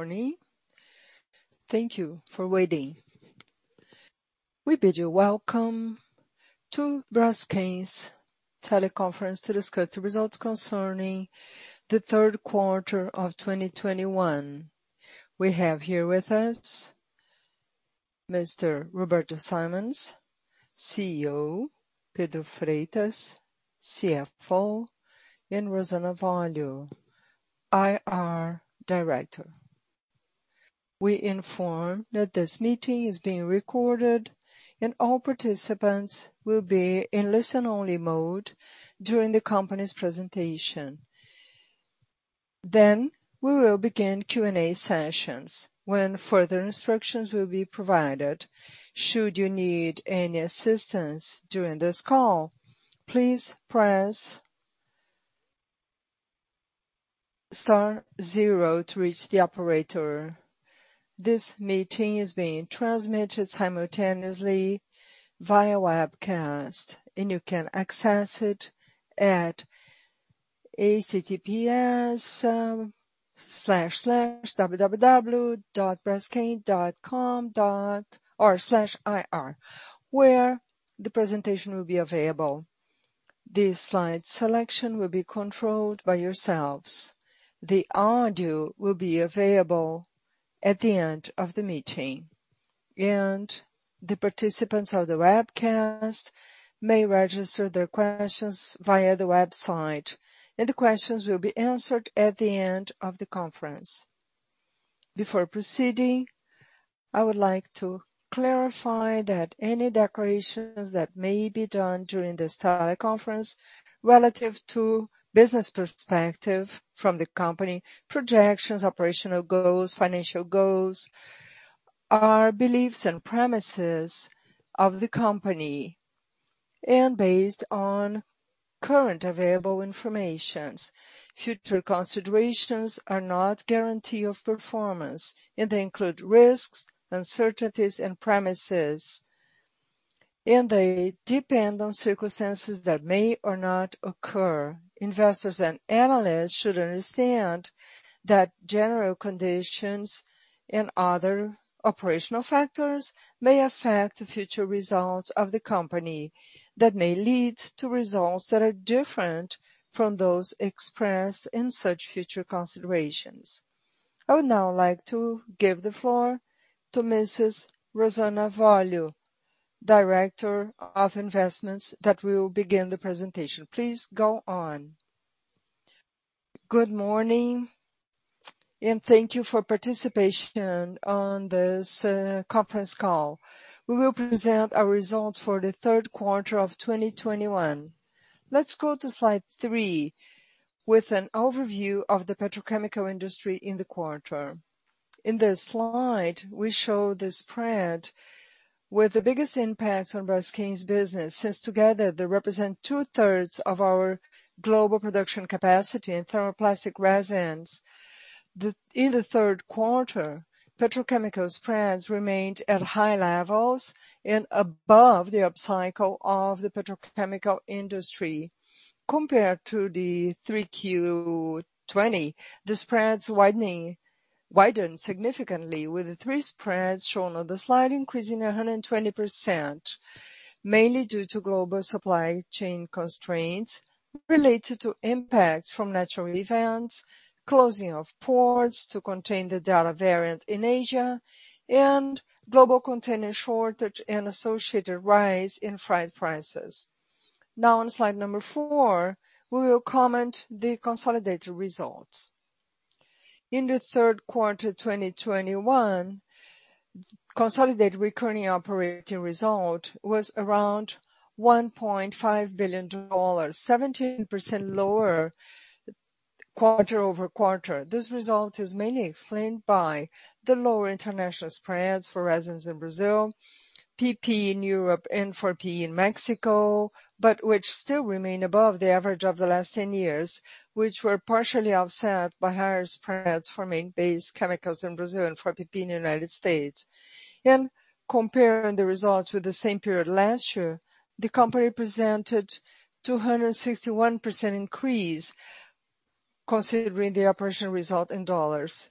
Good morning. Thank you for waiting. We bid you welcome to Braskem's teleconference to discuss the results concerning the third quarter of 2021. We have here with us Mr. Roberto Simões, CEO, Pedro Freitas, CFO, and Rosana Avolio, IR Director. We inform that this meeting is being recorded and all participants will be in listen-only mode during the company's presentation. We will begin Q&A sessions when further instructions will be provided. Should you need any assistance during this call, please press star zero to reach the operator. This meeting is being transmitted simultaneously via webcast, and you can access it at https://www.braskem.com/ir, where the presentation will be available. The slide selection will be controlled by yourselves. The audio will be available at the end of the meeting, and the participants of the webcast may register their questions via the website, and the questions will be answered at the end of the conference. Before proceeding, I would like to clarify that any declarations that may be done during this teleconference relative to business perspective from the company, projections, operational goals, financial goals, are beliefs and premises of the company and based on current available information. Future considerations are no guarantee of performance, and they include risks, uncertainties, and premises, and they depend on circumstances that may or may not occur. Investors and analysts should understand that general conditions and other operational factors may affect the future results of the company that may lead to results that are different from those expressed in such future considerations. I would now like to give the floor to Mrs. Rosana Avolio, Director of Investments, that will begin the presentation. Please go on. Good morning, and thank you for participation on this conference call. We will present our results for the third quarter of 2021. Let's go to slide three with an overview of the petrochemical industry in the quarter. In this slide, we show the spread with the biggest impacts on Braskem's business since together they represent two-thirds of our global production capacity in thermoplastic resins. In the third quarter, petrochemical spreads remained at high levels and above the upcycle of the petrochemical industry. Compared to 3Q 2020, the spreads widened significantly with the three spreads shown on the slide, increasing 120%, mainly due to global supply chain constraints related to impacts from natural events, closing of ports to contain the Delta variant in Asia, and global container shortage and associated rise in freight prices. Now, on slide number four, we will comment on the consolidated results. In the third quarter 2021, consolidated recurring operating result was around $1.5 billion, 17% lower quarter-over-quarter. This result is mainly explained by the lower international spreads for resins in Brazil, PP in Europe, and for PP in Mexico, but which still remain above the average of the last 10 years, which were partially offset by higher spreads for main base chemicals in Brazil and for PP in the United States. Comparing the results with the same period last year, the company presented 261% increase considering the operational result in dollars.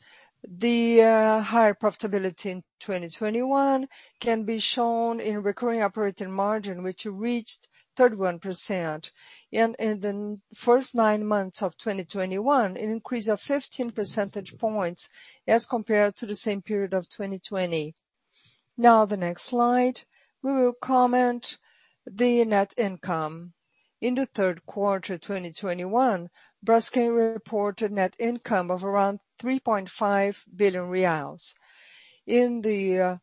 The higher profitability in 2021 can be shown in recurring operating margin, which reached 31%. In the first nine months of 2021, an increase of 15 percentage points as compared to the same period of 2020. Now, the next slide, we will comment the net income. In the third quarter 2021, Braskem reported net income of around 3.5 billion reais.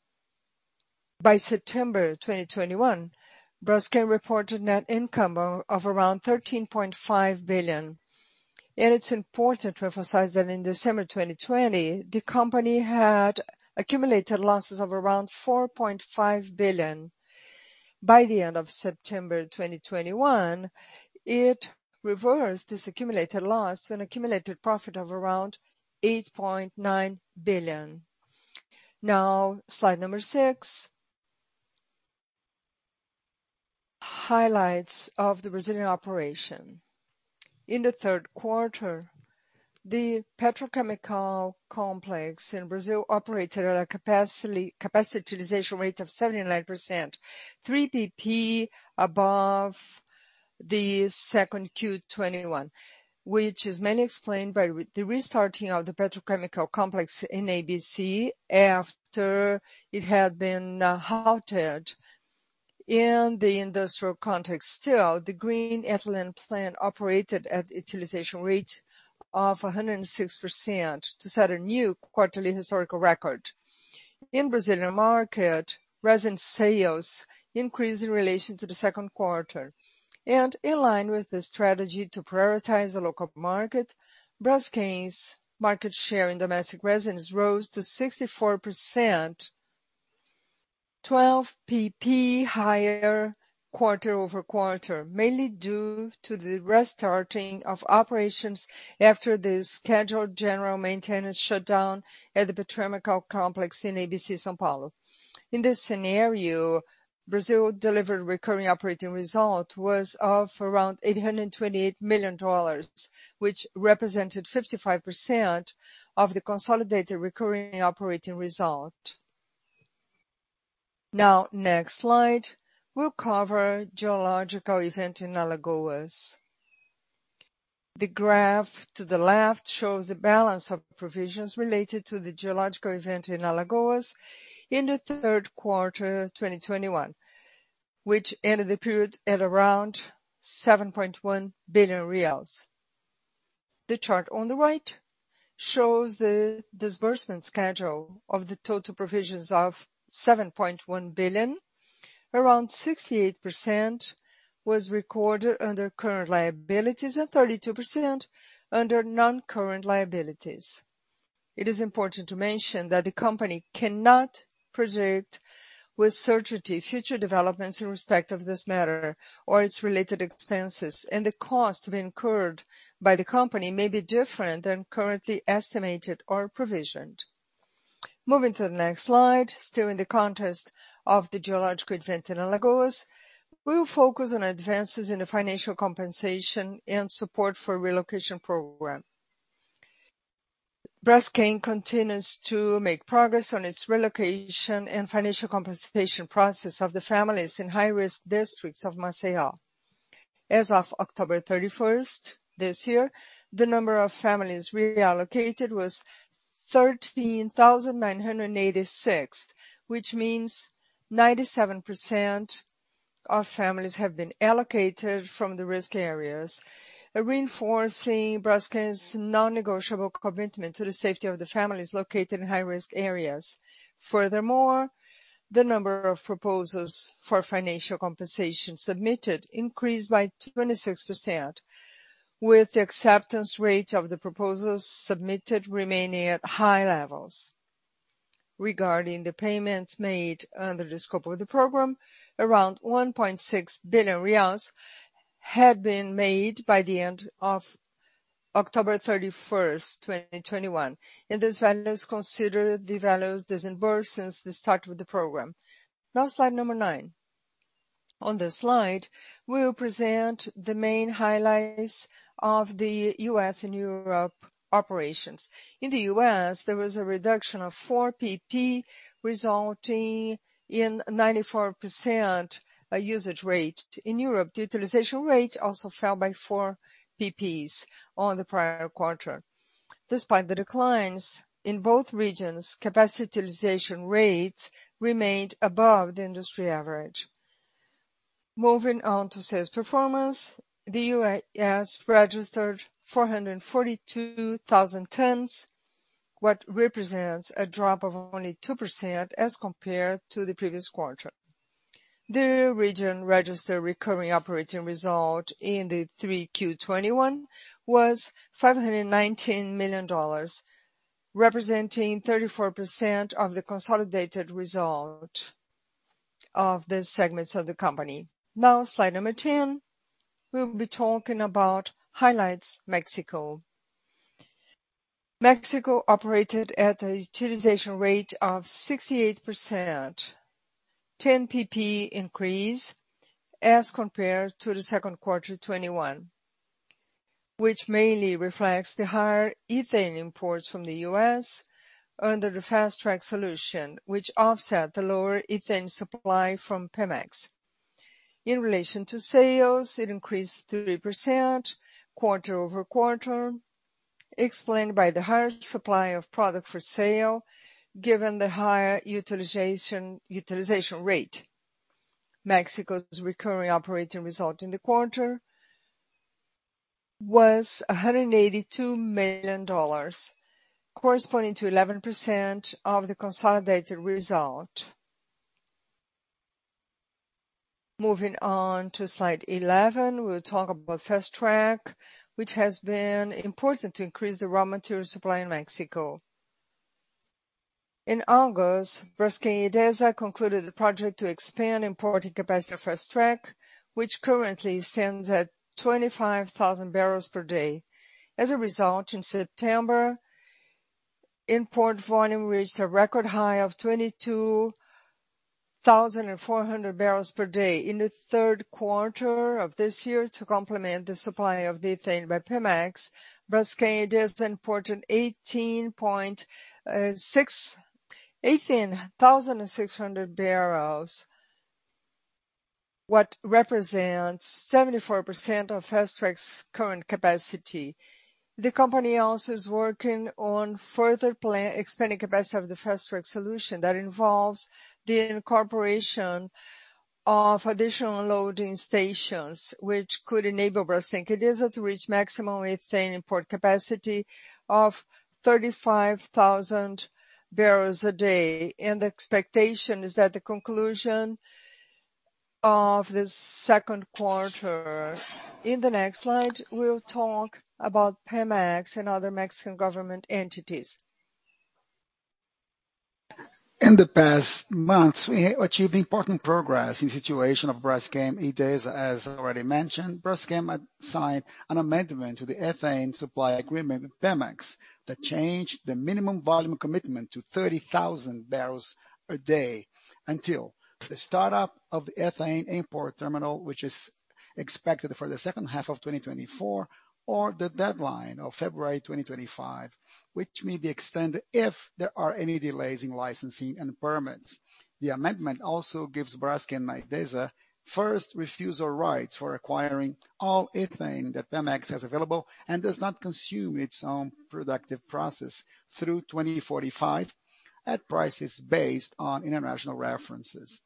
By September 2021, Braskem reported net income of around 13.5 billion. It's important to emphasize that in December 2020, the company had accumulated losses of around 4.5 billion. By the end of September 2021, it reversed this accumulated loss to an accumulated profit of around 8.9 billion. Now, slide six. Highlights of the Brazilian operation. In the third quarter, the petrochemical complex in Brazil operated at a capacity utilization rate of 79%, 3 basis points above the second Q 2021, which is mainly explained by the restarting of the petrochemical complex in ABC after it had been halted. In the industrial context still, the green ethylene plant operated at utilization rate of 106% to set a new quarterly historical record. In the Brazilian market, resin sales increased in relation to the second quarter. In line with the strategy to prioritize the local market, Braskem's market share in domestic resins rose to 64%, 12 percentage points higher quarter-over-quarter, mainly due to the restarting of operations after the scheduled general maintenance shutdown at the petrochemical complex in ABC, São Paulo. In this scenario, Brazil delivered recurring operating result was of around $828 million, which represented 55% of the consolidated recurring operating result. Now, next slide, we'll cover geological event in Alagoas. The graph to the left shows the balance of provisions related to the geological event in Alagoas in the third quarter of 2021, which ended the period at around 7.1 billion reais. The chart on the right shows the disbursement schedule of the total provisions of 7.1 billion. Around 68% was recorded under current liabilities and 32% under non-current liabilities. It is important to mention that the company cannot predict with certainty future developments in respect of this matter or its related expenses, and the cost to be incurred by the company may be different than currently estimated or provisioned. Moving to the next slide, still in the context of the geological event in Alagoas, we'll focus on advances in the financial compensation and support for relocation program. Braskem continues to make progress on its relocation and financial compensation process of the families in high-risk districts of Maceió. As of October 31st this year, the number of families relocated was 13,986, which means 97% of families have been allocated from the risk areas, reinforcing Braskem's non-negotiable commitment to the safety of the families located in high-risk areas. Furthermore, the number of proposals for financial compensation submitted increased by 26%, with the acceptance rate of the proposals submitted remaining at high levels. Regarding the payments made under the scope of the program, around BRL 1.6 billion had been made by the end of October 31st, 2021. Those values consider the values disbursed since the start of the program. Now slide nine. On this slide, we'll present the main highlights of the U.S. and Europe operations. In the U.S., there was a reduction of 4 percentage points, resulting in 94% usage rate. In Europe, the utilization rate also fell by 4 percentage points on the prior quarter. Despite the declines, in both regions, capacity utilization rates remained above the industry average. Moving on to sales performance, the U.S. registered 442,000 tons, what represents a drop of only 2% as compared to the previous quarter. The region registered recurring operating result in 3Q 2021 was $519 million, representing 34% of the consolidated result of the segments of the company. Now slide 10, we'll be talking about highlights, Mexico. Mexico operated at a utilization rate of 68%, 10 percentage points increase as compared to second quarter 2021, which mainly reflects the higher ethane imports from the U.S. under the Fast Track solution, which offset the lower ethane supply from Pemex. In relation to sales, it increased 3% quarter-over-quarter, explained by the higher supply of product for sale, given the higher utilization rate. Mexico's recurring operating result in the quarter was $182 million, corresponding to 11% of the consolidated result. Moving on to slide 11, we'll talk about Fast Track, which has been important to increase the raw material supply in Mexico. In August, Braskem Idesa concluded the project to expand importing capacity of Fast Track, which currently stands at 25,000 barrels per day. As a result, in September, import volume reached a record high of 22,400 barrels per day. In the third quarter of this year to complement the supply of the ethane by Pemex, Braskem Idesa imported 18,600 barrels, which represents 74% of Fast Track's current capacity. The company also is working on further expanding capacity of the Fast Track solution that involves the incorporation of additional loading stations, which could enable Braskem Idesa to reach maximum ethane import capacity of 35,000 barrels a day. The expectation is at the conclusion of the second quarter. In the next slide, we'll talk about Pemex and other Mexican government entities. In the past months, we achieved important progress in the situation of Braskem Idesa. As already mentioned, Braskem had signed an amendment to the ethane supply agreement with Pemex that changed the minimum volume commitment to 30,000 barrels a day until the startup of the ethane import terminal, which is expected for the second half of 2024, or the deadline of February 2025, which may be extended if there are any delays in licensing and permits. The amendment also gives Braskem Idesa first refusal rights for acquiring all ethane that Pemex has available and does not consume in its own production process through 2045 at prices based on international references.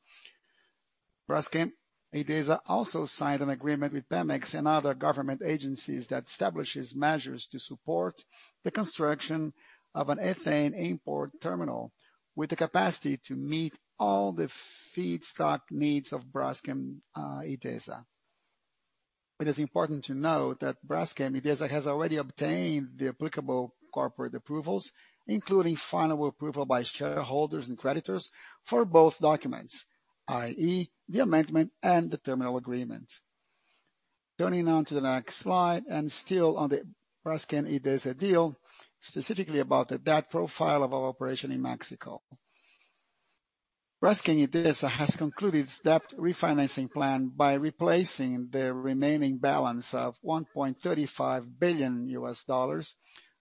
Braskem Idesa also signed an agreement with Pemex and other government agencies that establishes measures to support the construction of an ethane import terminal with the capacity to meet all the feedstock needs of Braskem Idesa. It is important to note that Braskem Idesa has already obtained the applicable corporate approvals, including final approval by shareholders and creditors for both documents, i.e. the amendment and the terminal agreement. Turning now to the next slide, and still on the Braskem Idesa deal, specifically about the debt profile of our operation in Mexico. Braskem Idesa has concluded its debt refinancing plan by replacing the remaining balance of $1.35 billion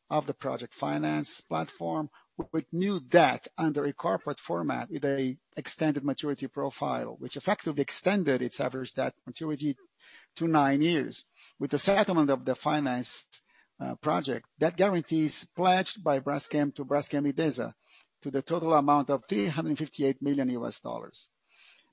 of the project finance platform with new debt under a corporate format with an extended maturity profile, which effectively extended its average debt maturity to nine years. With the settlement of the financed project, the guarantees pledged by Braskem to Braskem Idesa in the total amount of $358 million.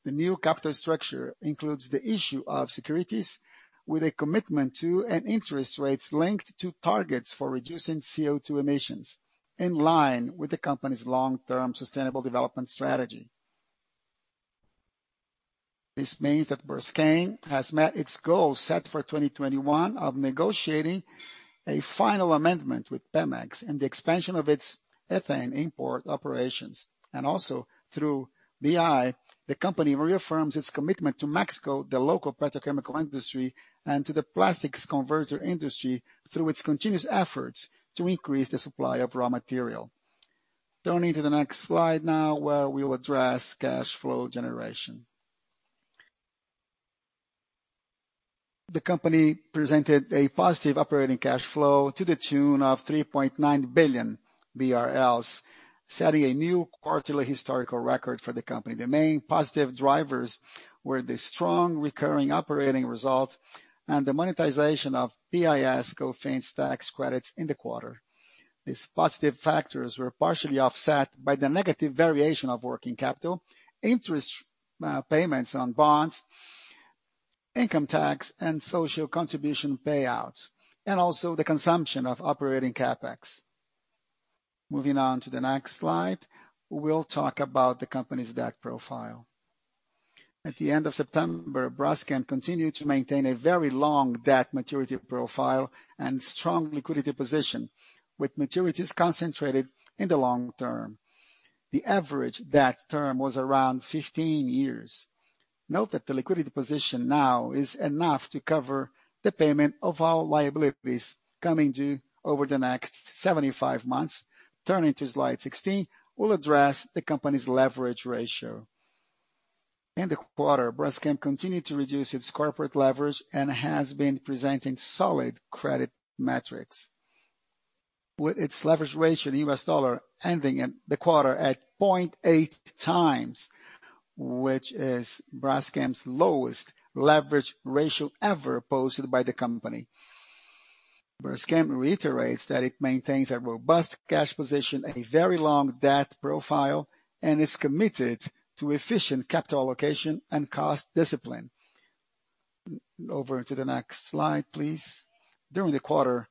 The new capital structure includes the issue of securities with a commitment to an interest rates linked to targets for reducing CO2 emissions in line with the company's long-term sustainable development strategy. This means that Braskem has met its goal set for 2021 of negotiating a final amendment with Pemex and the expansion of its ethane import operations. Also through BI, the company reaffirms its commitment to Mexico, the local petrochemical industry, and to the plastics converter industry through its continuous efforts to increase the supply of raw material. Turning to the next slide now, where we will address cash flow generation. The company presented a positive operating cash flow to the tune of 3.9 billion BRL, setting a new quarterly historical record for the company. The main positive drivers were the strong recurring operating result and the monetization of PIS/COFINS tax credits in the quarter. These positive factors were partially offset by the negative variation of working capital, interest, payments on bonds, income tax, and social contribution payouts, and also the consumption of operating CapEx. Moving on to the next slide, we'll talk about the company's debt profile. At the end of September, Braskem continued to maintain a very long debt maturity profile and strong liquidity position, with maturities concentrated in the long term. The average debt term was around 15 years. Note that the liquidity position now is enough to cover the payment of all liabilities coming due over the next 75 months. Turning to slide 16, we'll address the company's leverage ratio. In the quarter, Braskem continued to reduce its corporate leverage and has been presenting solid credit metrics. With its leverage ratio in US dollar ending in the quarter at 0.8x, which is Braskem's lowest leverage ratio ever posted by the company. Braskem reiterates that it maintains a robust cash position, a very long debt profile, and is committed to efficient capital allocation and cost discipline. Over to the next slide, please. During the quarter,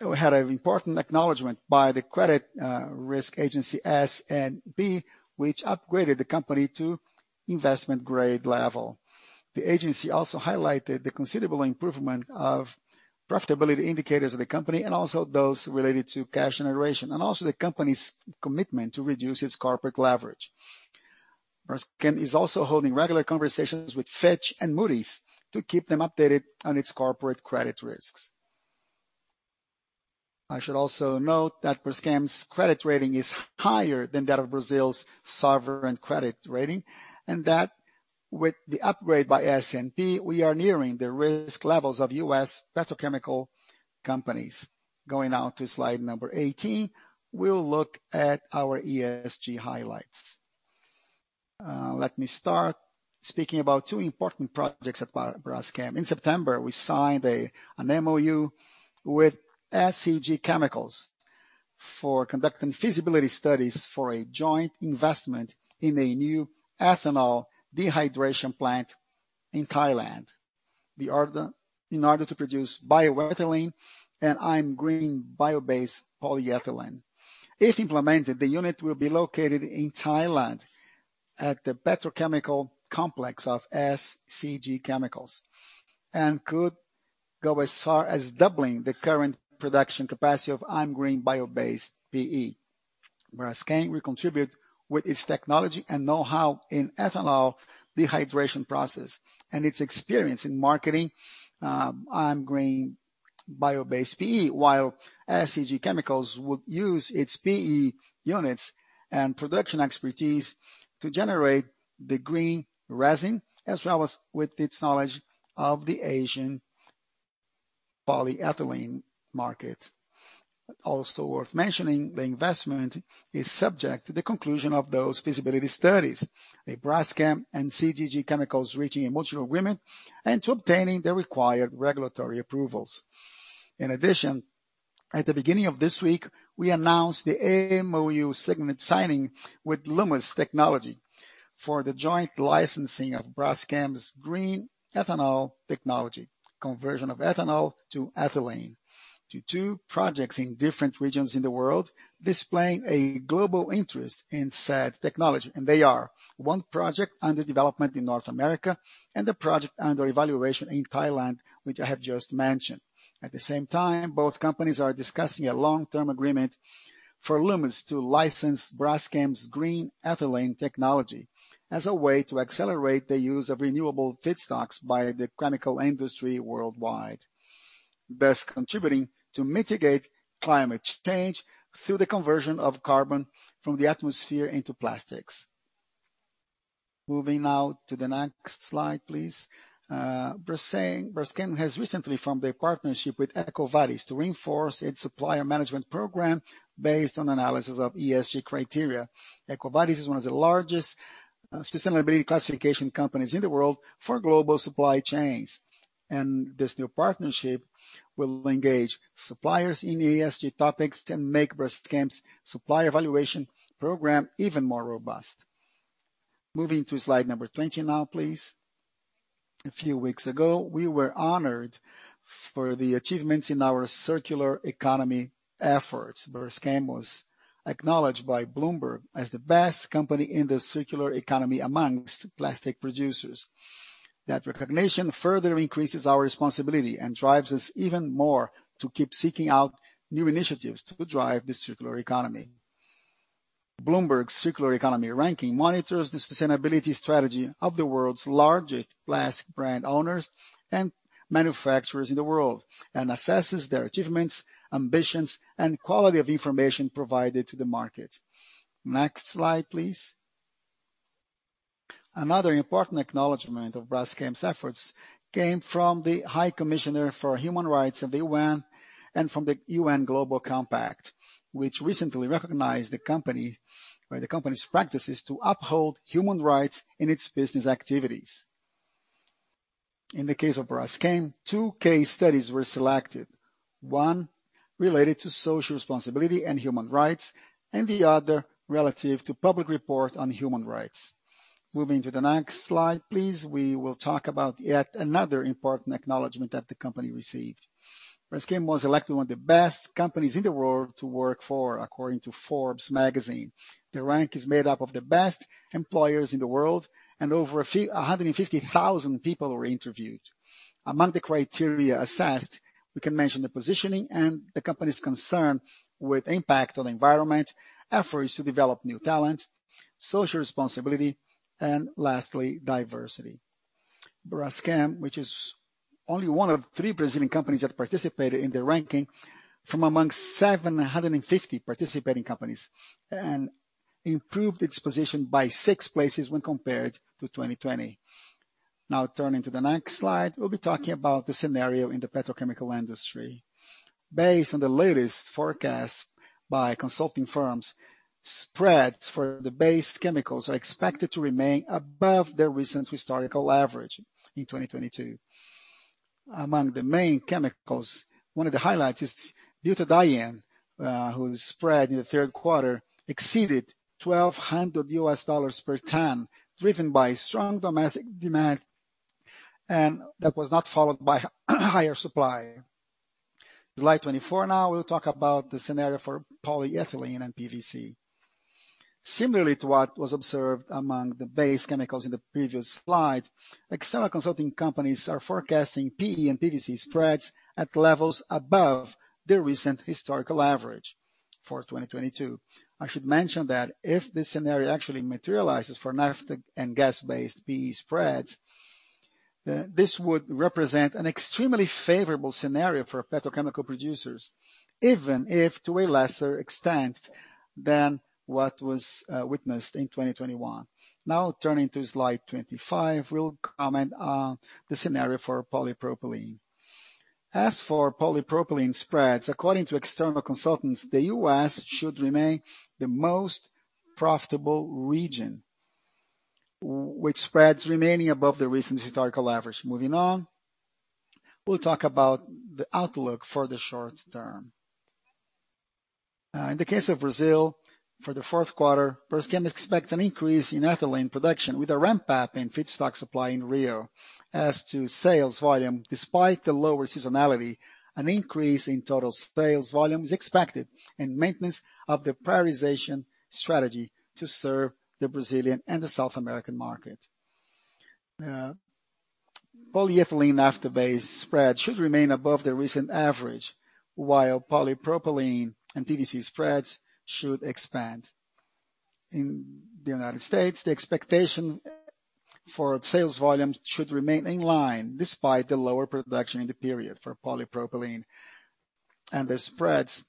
we had an important acknowledgement by the credit risk agency S&P, which upgraded the company to investment grade level. The agency also highlighted the considerable improvement of profitability indicators of the company and also those related to cash generation, and also the company's commitment to reduce its corporate leverage. Braskem is also holding regular conversations with Fitch and Moody's to keep them updated on its corporate credit risks. I should also note that Braskem's credit rating is higher than that of Brazil's sovereign credit rating, and that with the upgrade by S&P, we are nearing the risk levels of U.S. petrochemical companies. Going now to slide number 18, we'll look at our ESG highlights. Let me start speaking about two important projects at Braskem. In September, we signed an MOU with SCG Chemicals for conducting feasibility studies for a joint investment in a new ethanol dehydration plant in Thailand in order to produce bioethylene and I'm green bio-based polyethylene. If implemented, the unit will be located in Thailand at the petrochemical complex of SCG Chemicals, and could go as far as doubling the current production capacity of I'm green bio-based PE. Braskem will contribute with its technology and know-how in ethanol dehydration process and its experience in marketing I'm green bio-based PE, while SCG Chemicals would use its PE units and production expertise to generate the green resin, as well as with its knowledge of the Asian polyethylene market. Also worth mentioning, the investment is subject to the conclusion of those feasibility studies, Braskem and SCG Chemicals reaching a mutual agreement and to obtaining the required regulatory approvals. In addition, at the beginning of this week, we announced the MOU signing with Lummus Technology for the joint licensing of Braskem's green ethanol technology, conversion of ethanol to ethylene to two projects in different regions in the world, displaying a global interest in said technology. They are one project under development in North America and the project under evaluation in Thailand, which I have just mentioned. At the same time, both companies are discussing a long-term agreement for Lummus to license Braskem's green ethylene technology as a way to accelerate the use of renewable feedstocks by the chemical industry worldwide. Thus, contributing to mitigate climate change through the conversion of carbon from the atmosphere into plastics. Moving now to the next slide, please. Braskem has recently formed a partnership with EcoVadis to reinforce its supplier management program based on analysis of ESG criteria. EcoVadis is one of the largest sustainability classification companies in the world for global supply chains. This new partnership will engage suppliers in ESG topics to make Braskem's supplier evaluation program even more robust. Moving to slide number 20 now, please. A few weeks ago, we were honored for the achievements in our circular economy efforts. Braskem was acknowledged by BloombergNEF as the best company in the circular economy among plastic producers. That recognition further increases our responsibility and drives us even more to keep seeking out new initiatives to drive the circular economy. BloombergNEF's circular economy ranking monitors the sustainability strategy of the world's largest plastic brand owners and manufacturers in the world, and assesses their achievements, ambitions, and quality of information provided to the market. Next slide, please. Another important acknowledgment of Braskem's efforts came from the High Commissioner for Human Rights at the UN and from the UN Global Compact, which recently recognized the company, or the company's practices to uphold human rights in its business activities. In the case of Braskem, two case studies were selected. One related to social responsibility and human rights, and the other related to public report on human rights. Moving to the next slide, please. We will talk about yet another important acknowledgment that the company received. Braskem was elected one of the best companies in the world to work for according to Forbes magazine. The ranking is made up of the best employers in the world, and over 150,000 people were interviewed. Among the criteria assessed, we can mention the positioning and the company's concern with impact on the environment, efforts to develop new talent, social responsibility, and lastly, diversity. Braskem, which is only one of three Brazilian companies that participated in the ranking from among 750 participating companies and improved its position by six places when compared to 2020. Now turning to the next slide, we'll be talking about the scenario in the petrochemical industry. Based on the latest forecast by consulting firms, spreads for the base chemicals are expected to remain above their recent historical average in 2022. Among the main chemicals, one of the highlights is butadiene, whose spread in the third quarter exceeded $1,200 per ton, driven by strong domestic demand, and that was not followed by higher supply. Slide 24 now, we'll talk about the scenario for polyethylene and PVC. Similarly to what was observed among the base chemicals in the previous slide, external consulting companies are forecasting PE and PVC spreads at levels above their recent historical average for 2022. I should mention that if this scenario actually materializes for naphtha and gas-based PE spreads, this would represent an extremely favorable scenario for petrochemical producers, even if to a lesser extent than what was witnessed in 2021. Now turning to slide 25, we'll comment on the scenario for polypropylene. As for polypropylene spreads, according to external consultants, the U.S. should remain the most profitable region, with spreads remaining above the recent historical average. Moving on, we'll talk about the outlook for the short term. In the case of Brazil, for the fourth quarter, Braskem expects an increase in ethylene production with a ramp-up in feedstock supply in Rio. As to sales volume, despite the lower seasonality, an increase in total sales volume is expected and maintenance of the prioritization strategy to serve the Brazilian and the South American market. Polyethylene naphtha-based spread should remain above the recent average, while polypropylene and PVC spreads should expand. In the United States, the expectation for sales volumes should remain in line despite the lower production in the period for polypropylene. The spreads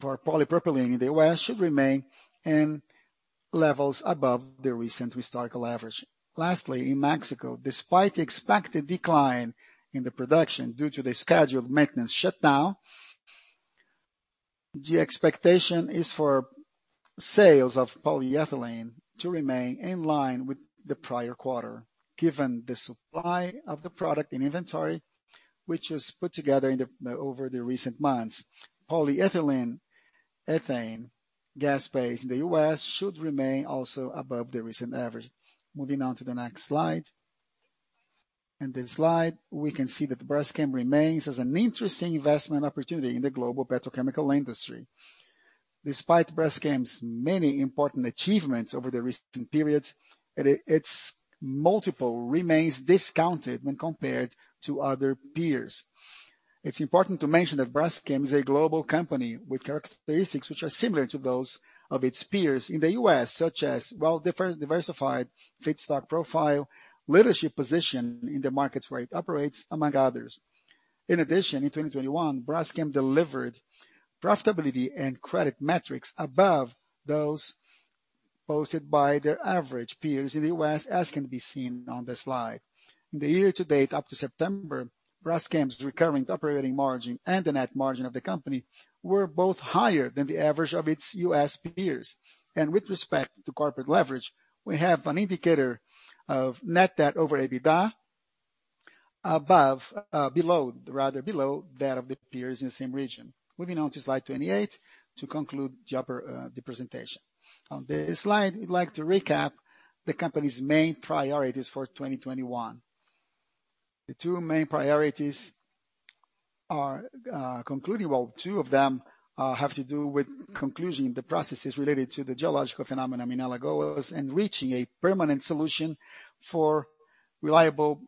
for polypropylene in the U.S. should remain in levels above the recent historical average. Lastly, in Mexico, despite the expected decline in the production due to the scheduled maintenance shutdown, the expectation is for sales of polyethylene to remain in line with the prior quarter, given the supply of the product in inventory, which was put together in the over the recent months. Polyethylene ethane gas-based in the U.S. should remain also above the recent average. Moving on to the next slide. In this slide, we can see that Braskem remains as an interesting investment opportunity in the global petrochemical industry. Despite Braskem's many important achievements over the recent period, its multiple remains discounted when compared to other peers. It's important to mention that Braskem is a global company with characteristics which are similar to those of its peers in the U.S., such as diversified feedstock profile, leadership position in the markets where it operates, among others. In addition, in 2021, Braskem delivered profitability and credit metrics above those posted by their average peers in the U.S., as can be seen on the slide. In the year-to-date, up to September, Braskem's recurring operating margin and the net margin of the company were both higher than the average of its U.S. peers. With respect to corporate leverage, we have an indicator of net debt over EBITDA below, rather below that of the peers in the same region. Moving on to slide 28 to conclude the presentation. On this slide, we'd like to recap the company's main priorities for 2021. The two main priorities are, well, two of them have to do with concluding the processes related to the geological phenomenon in Alagoas and reaching a permanent solution for reliable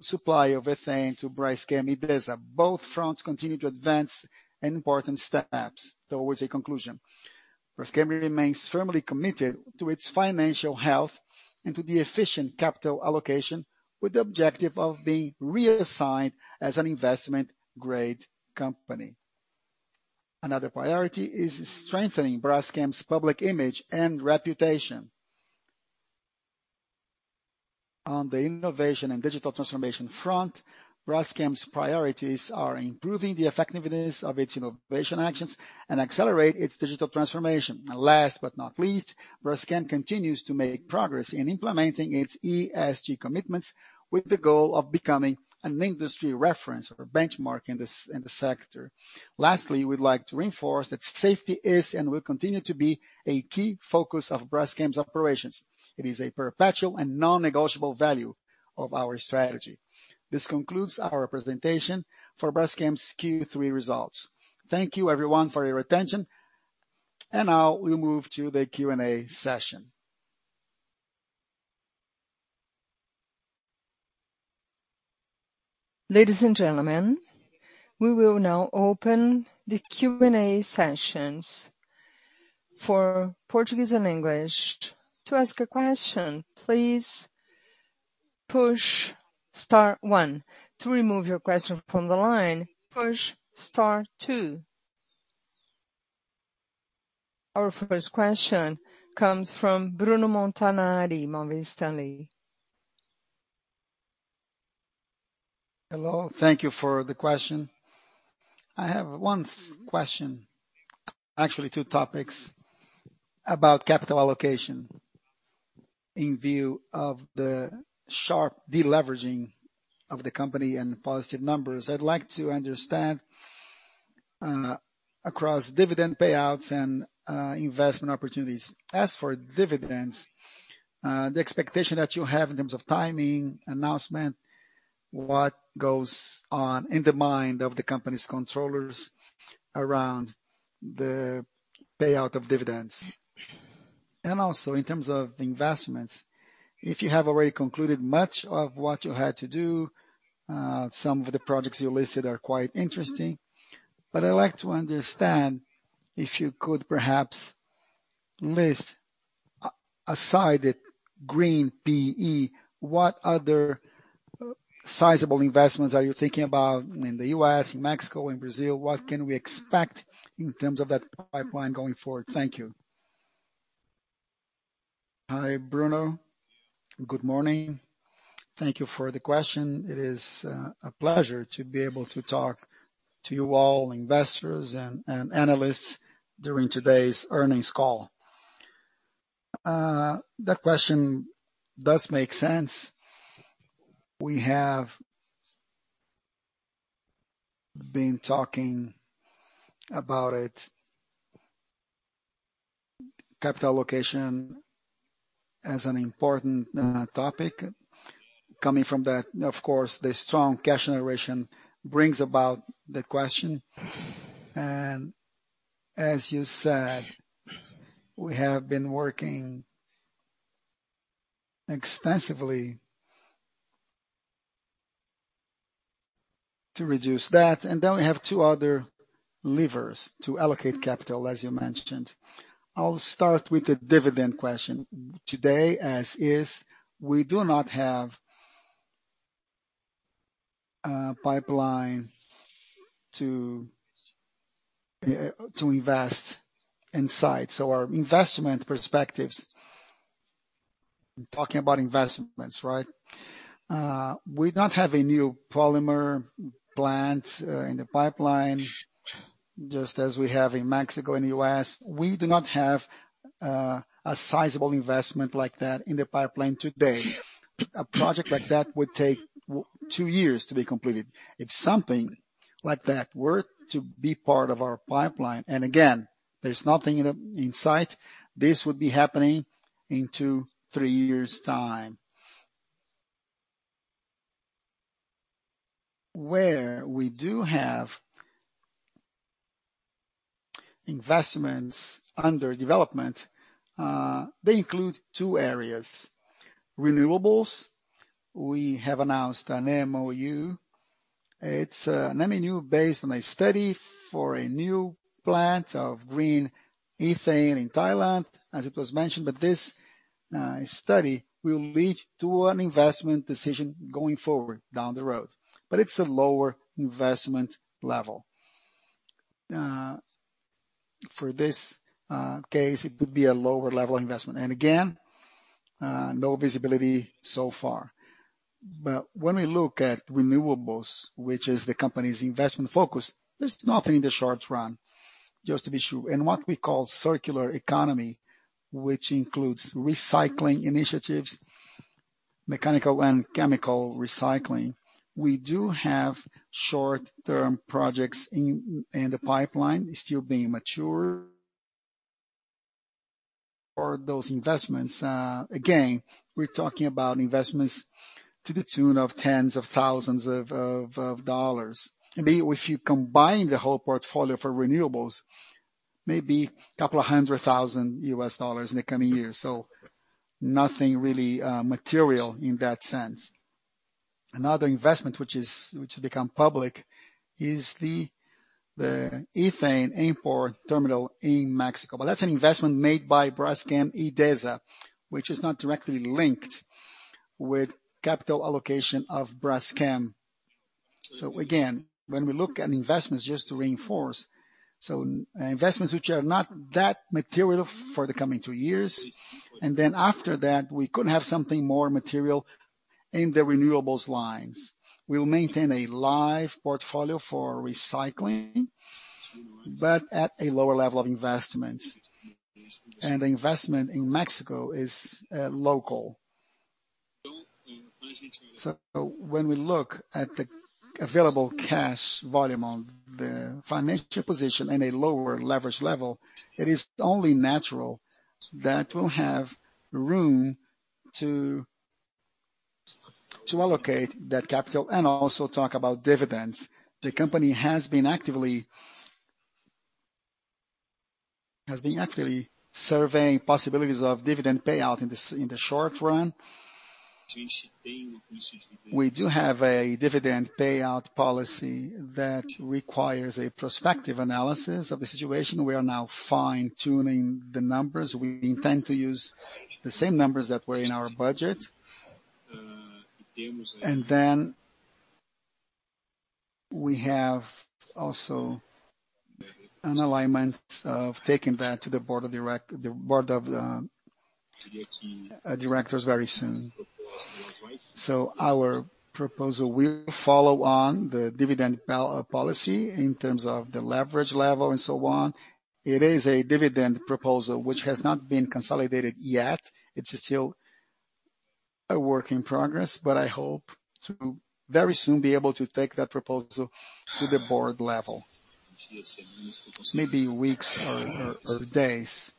supply of ethane to Braskem Idesa. Both fronts continue to advance in important steps towards a conclusion. Braskem remains firmly committed to its financial health and to the efficient capital allocation with the objective of being reassigned as an investment-grade company. Another priority is strengthening Braskem's public image and reputation. On the innovation and digital transformation front, Braskem's priorities are improving the effectiveness of its innovation actions and accelerate its digital transformation. Last but not least, Braskem continues to make progress in implementing its ESG commitments with the goal of becoming an industry reference or benchmark in the sector. Lastly, we'd like to reinforce that safety is and will continue to be a key focus of Braskem's operations. It is a perpetual and non-negotiable value of our strategy. This concludes our presentation for Braskem's Q3 results. Thank you everyone for your attention. Now we'll move to the Q&A session. Ladies and gentlemen, we will now open the Q&A sessions for Portuguese and English. To ask a question, please push star one. To remove your question from the line, push star two. Our first question comes from Bruno Montanari, Morgan Stanley. Hello. Thank you for the question. I have one question, actually two topics about capital allocation in view of the sharp deleveraging of the company and the positive numbers. I'd like to understand across dividend payouts and investment opportunities. As for dividends, the expectation that you have in terms of timing, announcement, what goes on in the mind of the company's controllers around the payout of dividends? Also in terms of the investments, if you have already concluded much of what you had to do, some of the projects you listed are quite interesting, but I'd like to understand if you could perhaps list aside the green PE, what other sizable investments are you thinking about in the U.S., Mexico, in Brazil? What can we expect in terms of that pipeline going forward? Thank you. Hi, Bruno. Good morning. Thank you for the question. It is a pleasure to be able to talk to you all investors and analysts during today's earnings call. That question does make sense. We have been talking about it, capital allocation as an important topic. Coming from that, of course, the strong cash generation brings about the question. As you said, we have been working extensively to reduce that, and then we have two other levers to allocate capital, as you mentioned. I'll start with the dividend question. Today, as is, we do not have a pipeline to invest onsite. Our investment perspectives, talking about investments, right? We don't have a new polymer plant in the pipeline, just as we have in Mexico and U.S. We do not have a sizable investment like that in the pipeline today. A project like that would take two years to be completed. If something like that were to be part of our pipeline, and again, there's nothing in sight, this would be happening in two to three years' time. Where we do have investments under development, they include two areas. Renewables, we have announced an MOU. It's an MOU based on a study for a new plant of green ethylene in Thailand, as it was mentioned. This study will lead to an investment decision going forward down the road. It's a lower investment level. For this case, it would be a lower level investment. Again, no visibility so far. When we look at renewables, which is the company's investment focus, there's nothing in the short run, just to be sure. In what we call circular economy, which includes recycling initiatives, mechanical and chemical recycling, we do have short-term projects in the pipeline still being mature for those investments. Again, we're talking about investments to the tune of tens of thousands of dollars. Maybe if you combine the whole portfolio for renewables, maybe a couple of hundred thousand US dollars in the coming years. Nothing really material in that sense. Another investment which has become public is the ethane import terminal in Mexico. That's an investment made by Braskem Idesa, which is not directly linked with capital allocation of Braskem. Again, when we look at investments, just to reinforce, investments which are not that material for the coming two years, and then after that, we could have something more material in the renewables lines. We'll maintain a live portfolio for recycling, but at a lower level of investment. The investment in Mexico is local. When we look at the available cash volume on the financial position and a lower leverage level, it is only natural that we'll have room to allocate that capital and also talk about dividends. The company has been actively surveying possibilities of dividend payout in the short run. We do have a dividend payout policy that requires a prospective analysis of the situation. We are now fine-tuning the numbers. We intend to use the same numbers that were in our budget. We have also an alignment of taking that to the board of directors very soon. Our proposal will follow on the dividend policy in terms of the leverage level and so on. It is a dividend proposal which has not been consolidated yet. It's still a work in progress, but I hope to very soon be able to take that proposal to the board level. Maybe weeks or days.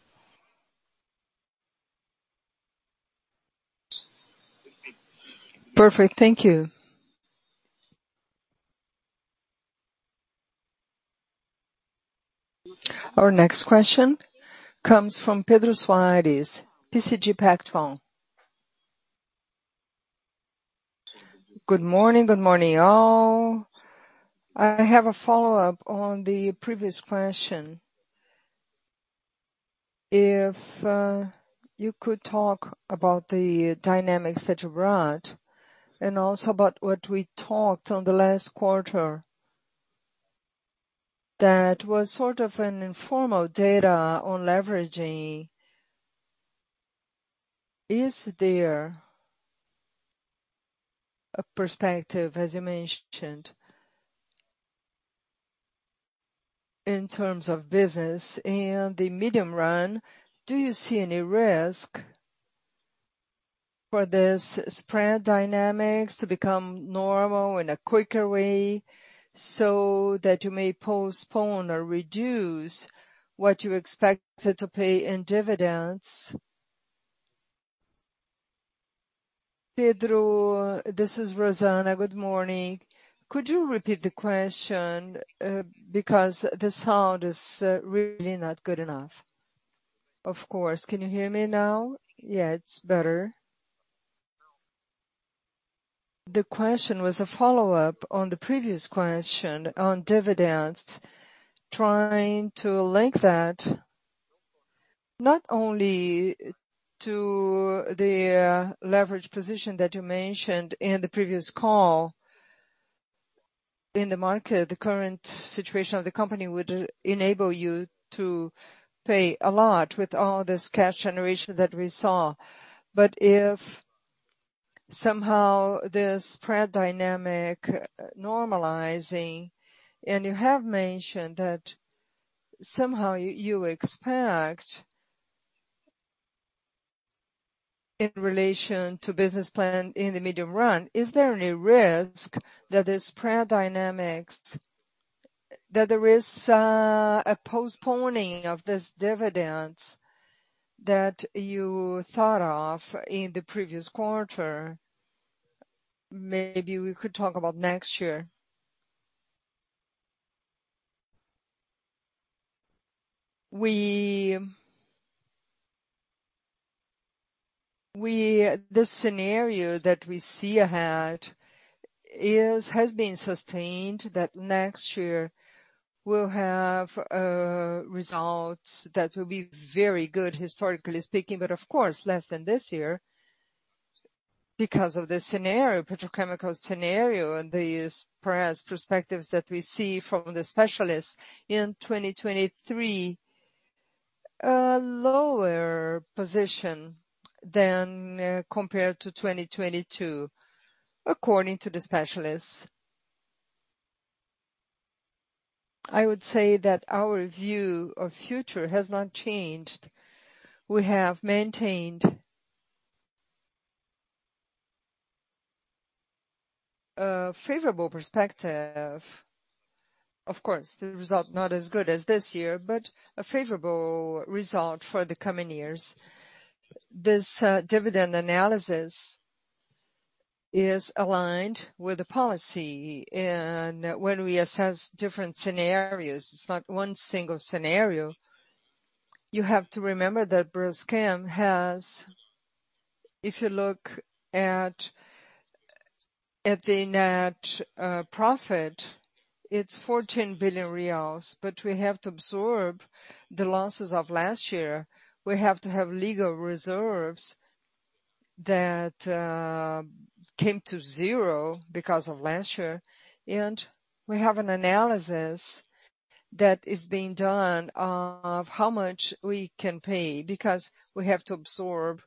Perfect. Thank you. Our next question comes from Pedro Soares, BTG Pactual. Good morning. Good morning, all. I have a follow-up on the previous question. If you could talk about the dynamics that you brought and also about what we talked on the last quarter. That was sort of an informal data on leveraging. Is there a perspective, as you mentioned, in terms of business in the medium run, do you see any risk for this spread dynamics to become normal in a quicker way so that you may postpone or reduce what you expected to pay in dividends? Pedro, this is Rosana. Good morning. Could you repeat the question? Because the sound is really not good enough. Of course. Can you hear me now? Yeah, it's better. The question was a follow-up on the previous question on dividends, trying to link that not only to the leverage position that you mentioned in the previous call. In the market, the current situation of the company would enable you to pay a lot with all this cash generation that we saw. If somehow this spread dynamic normalizing, and you have mentioned that somehow you expect, in relation to business plan in the medium run, is there any risk that this spread dynamics that there is, a postponing of this dividends that you thought of in the previous quarter? Maybe we could talk about next year. The scenario that we see ahead is, has been sustained that next year we'll have results that will be very good, historically speaking, but of course less than this year because of the scenario, petrochemical scenario, and these perhaps perspectives that we see from the specialists in 2023, a lower position than compared to 2022, according to the specialists. I would say that our view of future has not changed. We have maintained a favorable perspective. Of course, the result not as good as this year, but a favorable result for the coming years. This dividend analysis is aligned with the policy. When we assess different scenarios, it's not one single scenario. You have to remember that Braskem has, if you look at the net profit, it's BRL 14 billion, but we have to absorb the losses of last year. We have to have legal reserves that came to zero because of last year. We have an analysis that is being done of how much we can pay because we have to absorb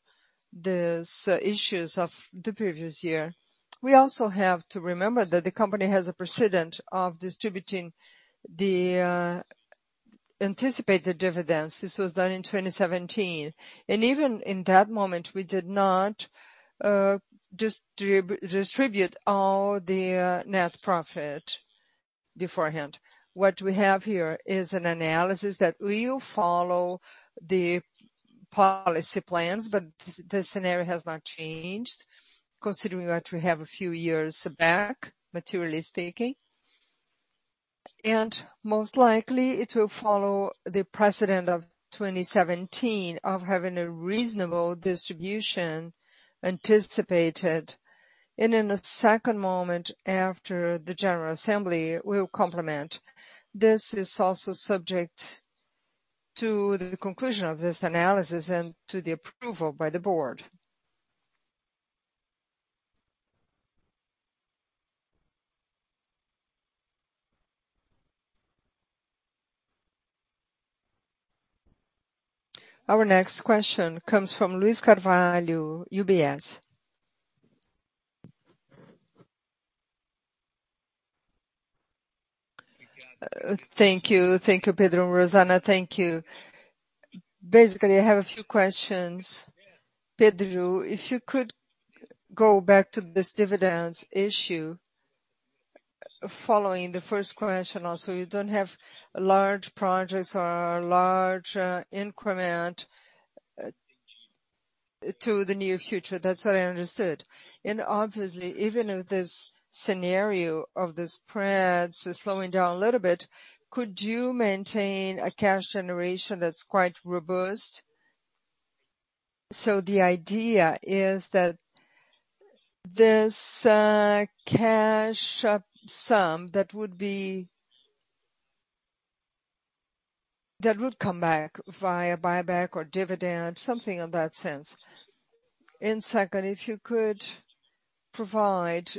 these issues of the previous year. We also have to remember that the company has a precedent of distributing the anticipated dividends. This was done in 2017, and even in that moment, we did not distribute all the net profit beforehand. What we have here is an analysis that will follow the policy plans, but this scenario has not changed considering what we have a few years back, materially speaking. Most likely it will follow the precedent of 2017 of having a reasonable distribution anticipated. In a second moment, after the general assembly, we'll complement. This is also subject to the conclusion of this analysis and to the approval by the board. Our next question comes from Luiz Carvalho, UBS. Thank you. Thank you, Pedro and Rosana. Thank you. Basically, I have a few questions. Pedro, if you could go back to this dividends issue following the first question also. You don't have large projects or large increment to the near future. That's what I understood. Obviously, even if this scenario of the spreads is slowing down a little bit, could you maintain a cash generation that's quite robust? The idea is that this cash sum that would come back via buyback or dividend, something of that sense. Second, if you could provide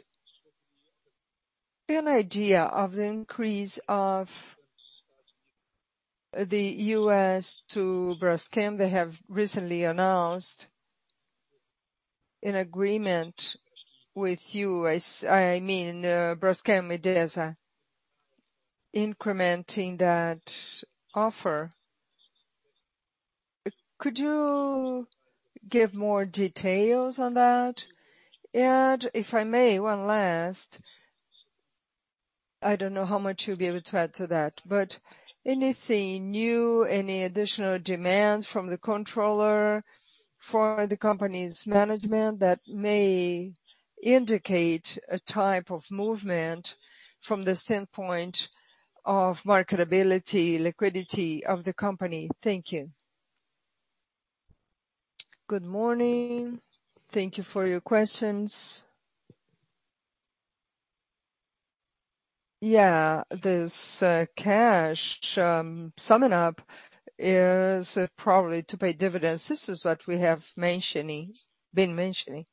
an idea of the increase of the use to Braskem. They have recently announced an agreement with you. Braskem Idesa incrementing that offer. Could you give more details on that? If I may, one last, I don't know how much you'll be able to add to that, but anything new, any additional demands from the controller for the company's management that may indicate a type of movement from the standpoint of marketability, liquidity of the company? Thank you. Good morning. Thank you for your questions. Yeah, this cash summing up is probably to pay dividends. This is what we have been mentioning.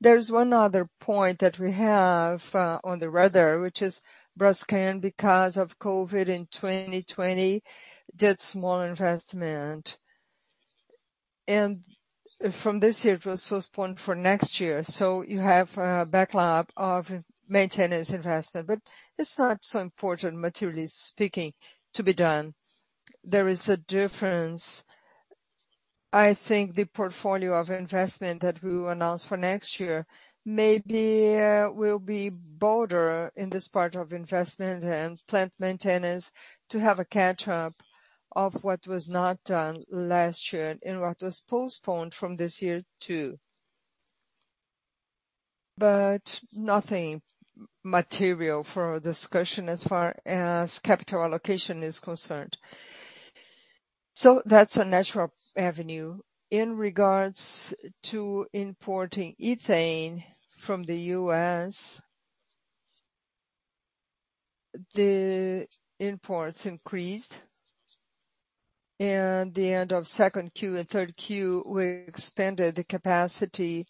There's one other point that we have on the radar, which is Braskem, because of COVID in 2020, did small investment. From this year it was postponed for next year, so you have a backlog of maintenance investment. It's not so important materially speaking to be done. There is a difference. I think the portfolio of investment that we will announce for next year maybe will be bolder in this part of investment and plant maintenance to have a catch up of what was not done last year and what was postponed from this year too. Nothing material for discussion as far as capital allocation is concerned. That's a natural avenue. In regards to importing ethane from the U.S., the imports increased. In the end of second Q and third Q, we expanded the capacity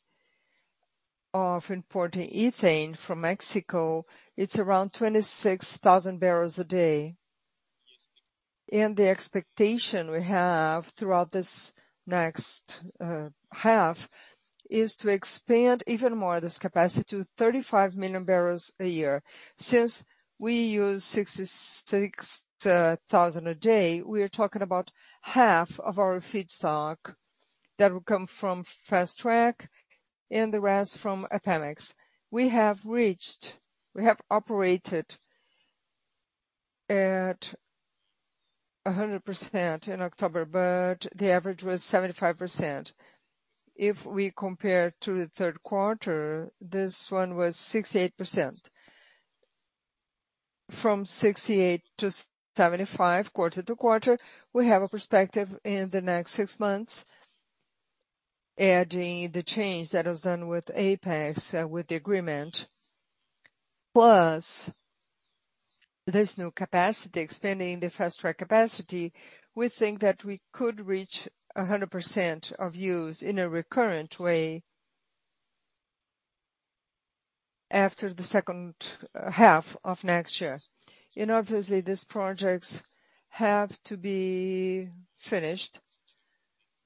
of importing ethane from Mexico. It's around 26,000 barrels a day. The expectation we have throughout this next half is to expand even more this capacity to 35 million barrels a year. Since we use 66,000 a day, we are talking about half of our feedstock that will come from Fast Track and the rest from Pemex. We have reached, we have operated at 100% in October, but the average was 75%. If we compare to the third quarter, this one was 68%. From 68%-75% quarter-to-quarter, we have a perspective in the next six months, adding the change that was done with Apex, with the agreement. Plus this new capacity, expanding the Fast Track capacity, we think that we could reach 100% of use in a recurrent way after the second half of next year. Obviously these projects have to be finished,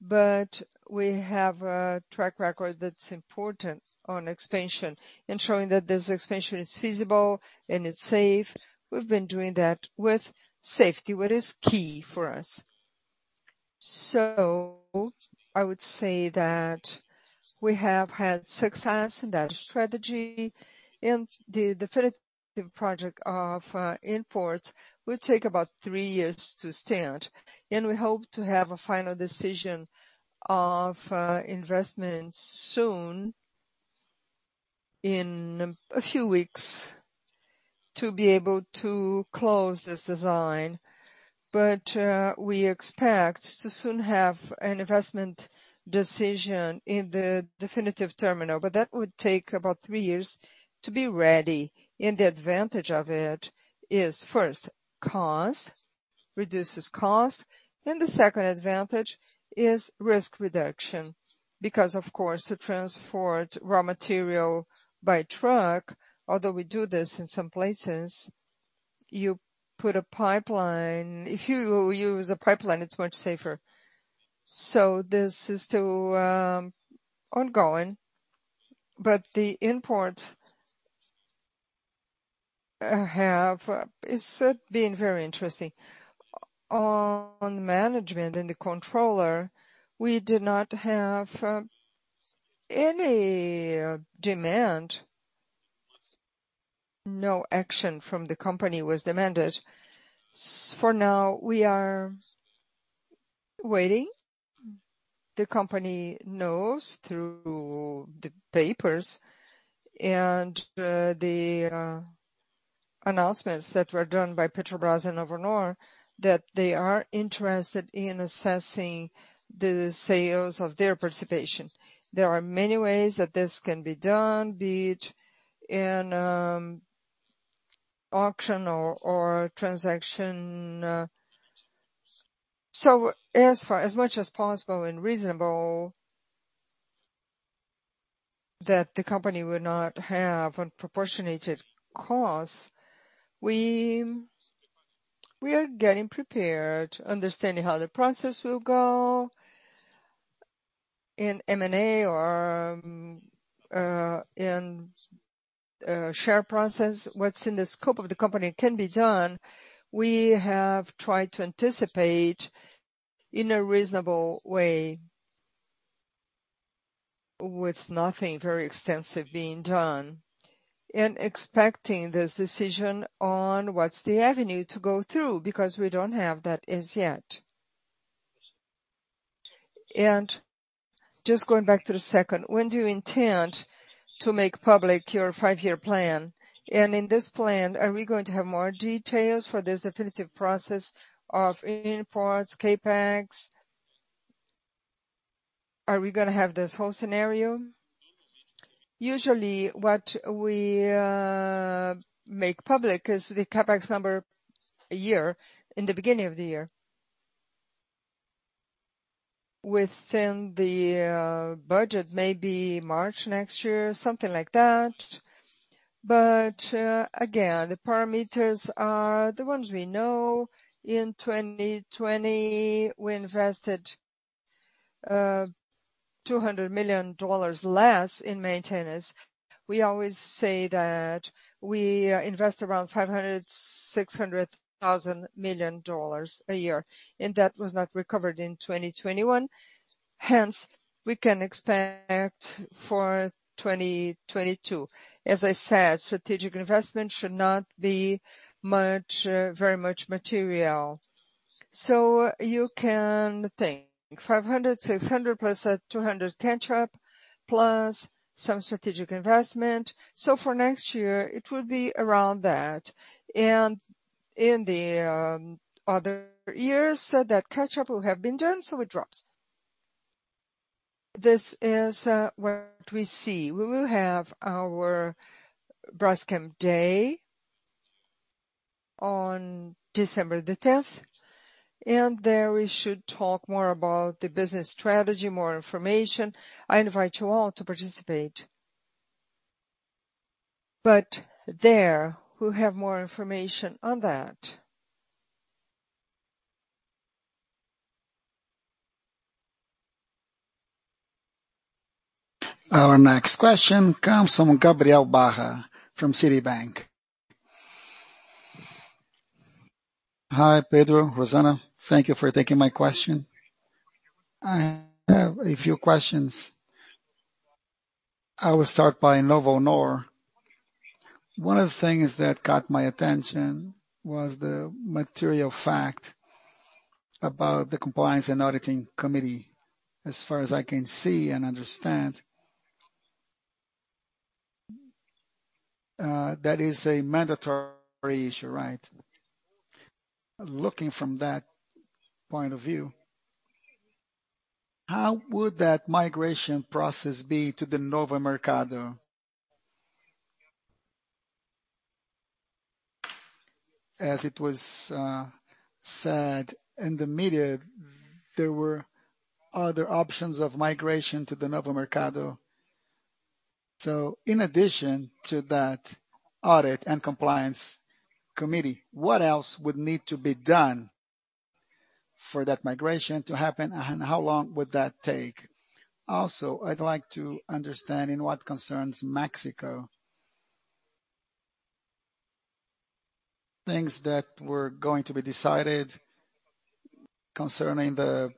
but we have a track record that's important on expansion and showing that this expansion is feasible and it's safe. We've been doing that with safety, what is key for us. I would say that we have had success in that strategy. The definitive project of imports will take about three years to start. We hope to have a final decision of investment soon in a few weeks to be able to close this design. We expect to soon have an investment decision in the definitive terminal, but that would take about three years to be ready. The advantage of it is first, cost, reduces cost. The second advantage is risk reduction because, of course, to transport raw material by truck, although we do this in some places, you put a pipeline. If you use a pipeline, it's much safer. This is still ongoing, but the imports have been very interesting. On management and the controller, we do not have any demand. No action from the company was demanded. For now, we are waiting. The company knows through the papers and the announcements that were done by Petrobras and Novonor that they are interested in assessing the sales of their participation. There are many ways that this can be done, be it in auction or transaction. As much as possible and reasonable that the company would not have disproportionate costs, we are getting prepared, understanding how the process will go in M&A or in share process. What's in the scope of the company can be done. We have tried to anticipate in a reasonable way with nothing very extensive being done and expecting this decision on what's the avenue to go through, because we don't have that as yet. Just going back to the second, when do you intend to make public your five-year plan? In this plan, are we going to have more details for this definitive process of imports, CapEx? Are we gonna have this whole scenario? Usually, what we make public is the CapEx number a year in the beginning of the year. Within the budget maybe March next year, something like that. Again, the parameters are the ones we know. In 2020, we invested $200 million less in maintenance. We always say that we invest around $500 million-$600 million a year, and that was not recovered in 2021. Hence, we can expect for 2022. As I said, strategic investment should not be much, very much material. You can think $500 million-$600 million plus a $200 million catch up, plus some strategic investment. For next year, it will be around that. In the other years, that catch-up will have been done, so it drops. This is what we see. We will have our Braskem Day on December the tenth, and there we should talk more about the business strategy, more information. I invite you all to participate. There we'll have more information on that. Our next question comes from Gabriel Barra from Citibank. Hi, Pedro, Rosana. Thank you for taking my question. I have a few questions. I will start by Novonor. One of the things that caught my attention was the material fact about the compliance and auditing committee. As far as I can see and understand, that is a mandatory issue, right? Looking from that point of view, how would that migration process be to the Novo Mercado? As it was said in the media, there were other options of migration to the Novo Mercado. In addition to that audit and compliance committee, what else would need to be done for that migration to happen, and how long would that take? Also, I'd like to understand, in what concerns Mexico, things that were going to be decided concerning the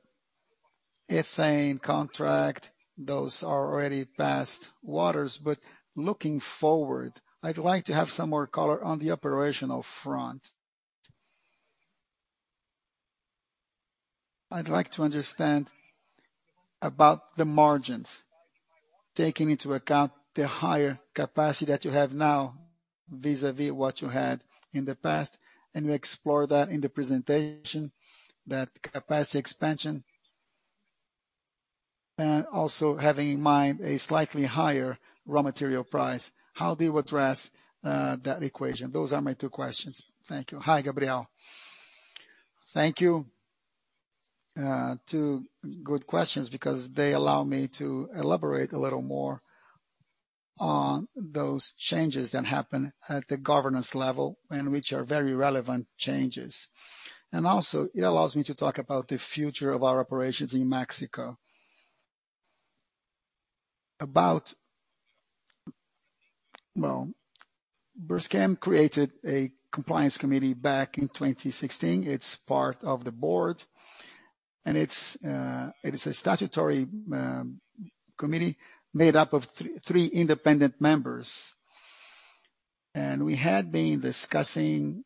ethane contract, those are already past waters. Looking forward, I'd like to have some more color on the operational front. I'd like to understand about the margins, taking into account the higher capacity that you have now vis-à-vis what you had in the past, and we explore that in the presentation, that capacity expansion. Also having in mind a slightly higher raw material price, how do you address that equation? Those are my two questions. Thank you. Hi, Gabriel. Thank you. Two good questions because they allow me to elaborate a little more on those changes that happen at the governance level and which are very relevant changes. It also allows me to talk about the future of our operations in Mexico. Braskem created a compliance committee back in 2016. It's part of the board, and it is a statutory Committee made up of three independent members. We had been discussing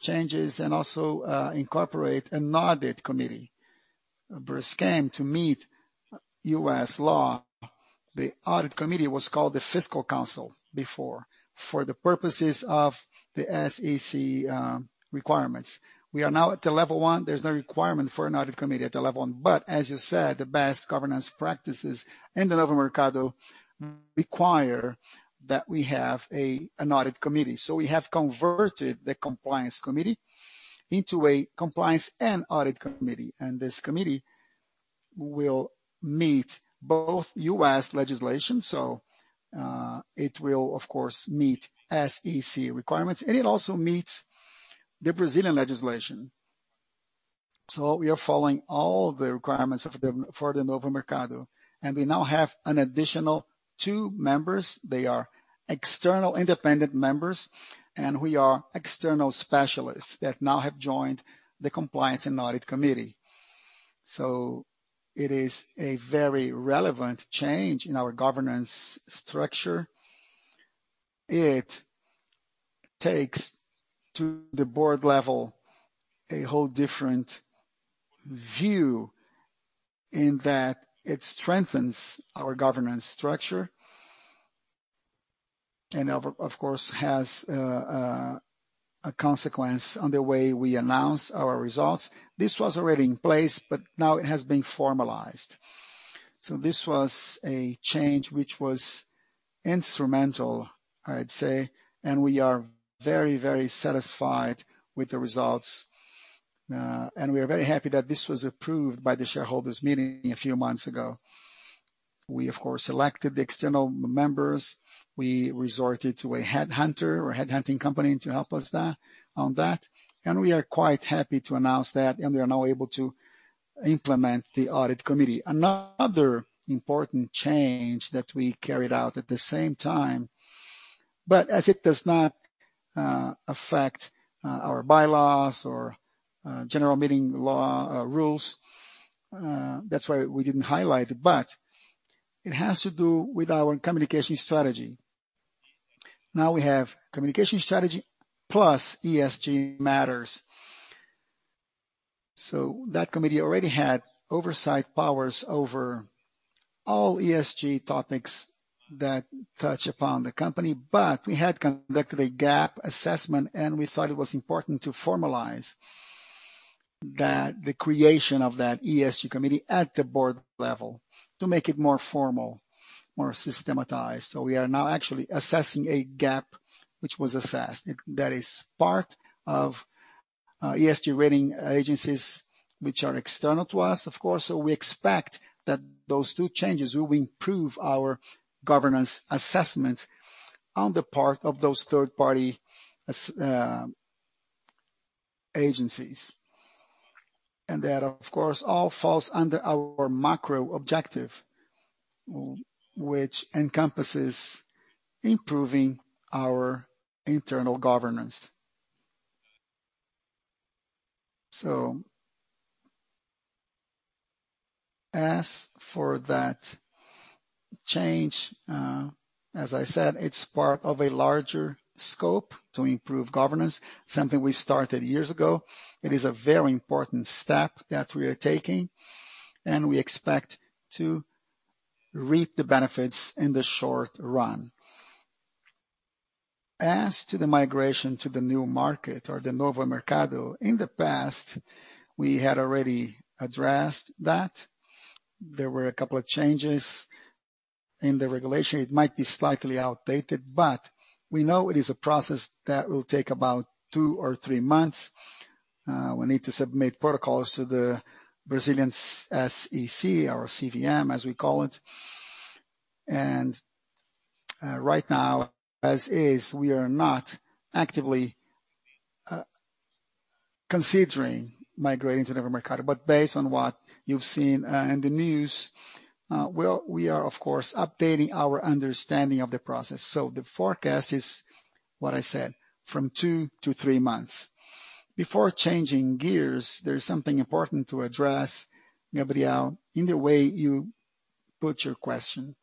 changes and also incorporate an audit committee. For Braskem to meet U.S. law, the audit committee was called the fiscal council before for the purposes of the SEC requirements. We are now at the Level one. There's no requirement for an audit committee at the Level one. As you said, the best governance practices in the Novo Mercado require that we have an audit committee. We have converted the compliance committee into a compliance and audit committee, and this committee will meet both U.S. legislation. It will of course meet SEC requirements, and it also meets the Brazilian legislation. We are following all the requirements of the for the Novo Mercado, and we now have an additional two members. They are external independent members, and we are external specialists that now have joined the compliance and audit committee. It is a very relevant change in our governance structure. It takes to the board level a whole different view in that it strengthens our governance structure and, of course, has a consequence on the way we announce our results. This was already in place, but now it has been formalized. This was a change which was instrumental, I'd say. We are very, very satisfied with the results. We are very happy that this was approved by the shareholders meeting a few months ago. We, of course, elected the external members. We resorted to a headhunter or headhunting company to help us that, on that. We are quite happy to announce that, and we are now able to implement the audit committee. Another important change that we carried out at the same time, but as it does not affect our bylaws or general meeting rules, that's why we didn't highlight it, but it has to do with our communication strategy. Now we have communication strategy plus ESG matters. That committee already had oversight powers over all ESG topics that touch upon the company. We had conducted a gap assessment, and we thought it was important to formalize that, the creation of that ESG committee at the board level to make it more formal, more systematized. We are now actually addressing a gap which was assessed. That is part of ESG rating agencies which are external to us, of course. We expect that those two changes will improve our governance assessment on the part of those third-party agencies. That, of course, all falls under our macro objective, which encompasses improving our internal governance. As for that change, as I said, it's part of a larger scope to improve governance, something we started years ago. It is a very important step that we are taking, and we expect to reap the benefits in the short run. As to the migration to the Novo Mercado, in the past we had already addressed that. There were a couple of changes in the regulation. It might be slightly outdated, but we know it is a process that will take about two or three months. We need to submit protocols to the Brazilian SEC or CVM, as we call it. Right now, as is, we are not actively considering migrating to Novo Mercado. Based on what you've seen in the news, we are of course updating our understanding of the process. The forecast is what I said, from two to three months. Before changing gears, there is something important to address, Gabriel, in the way you put your question.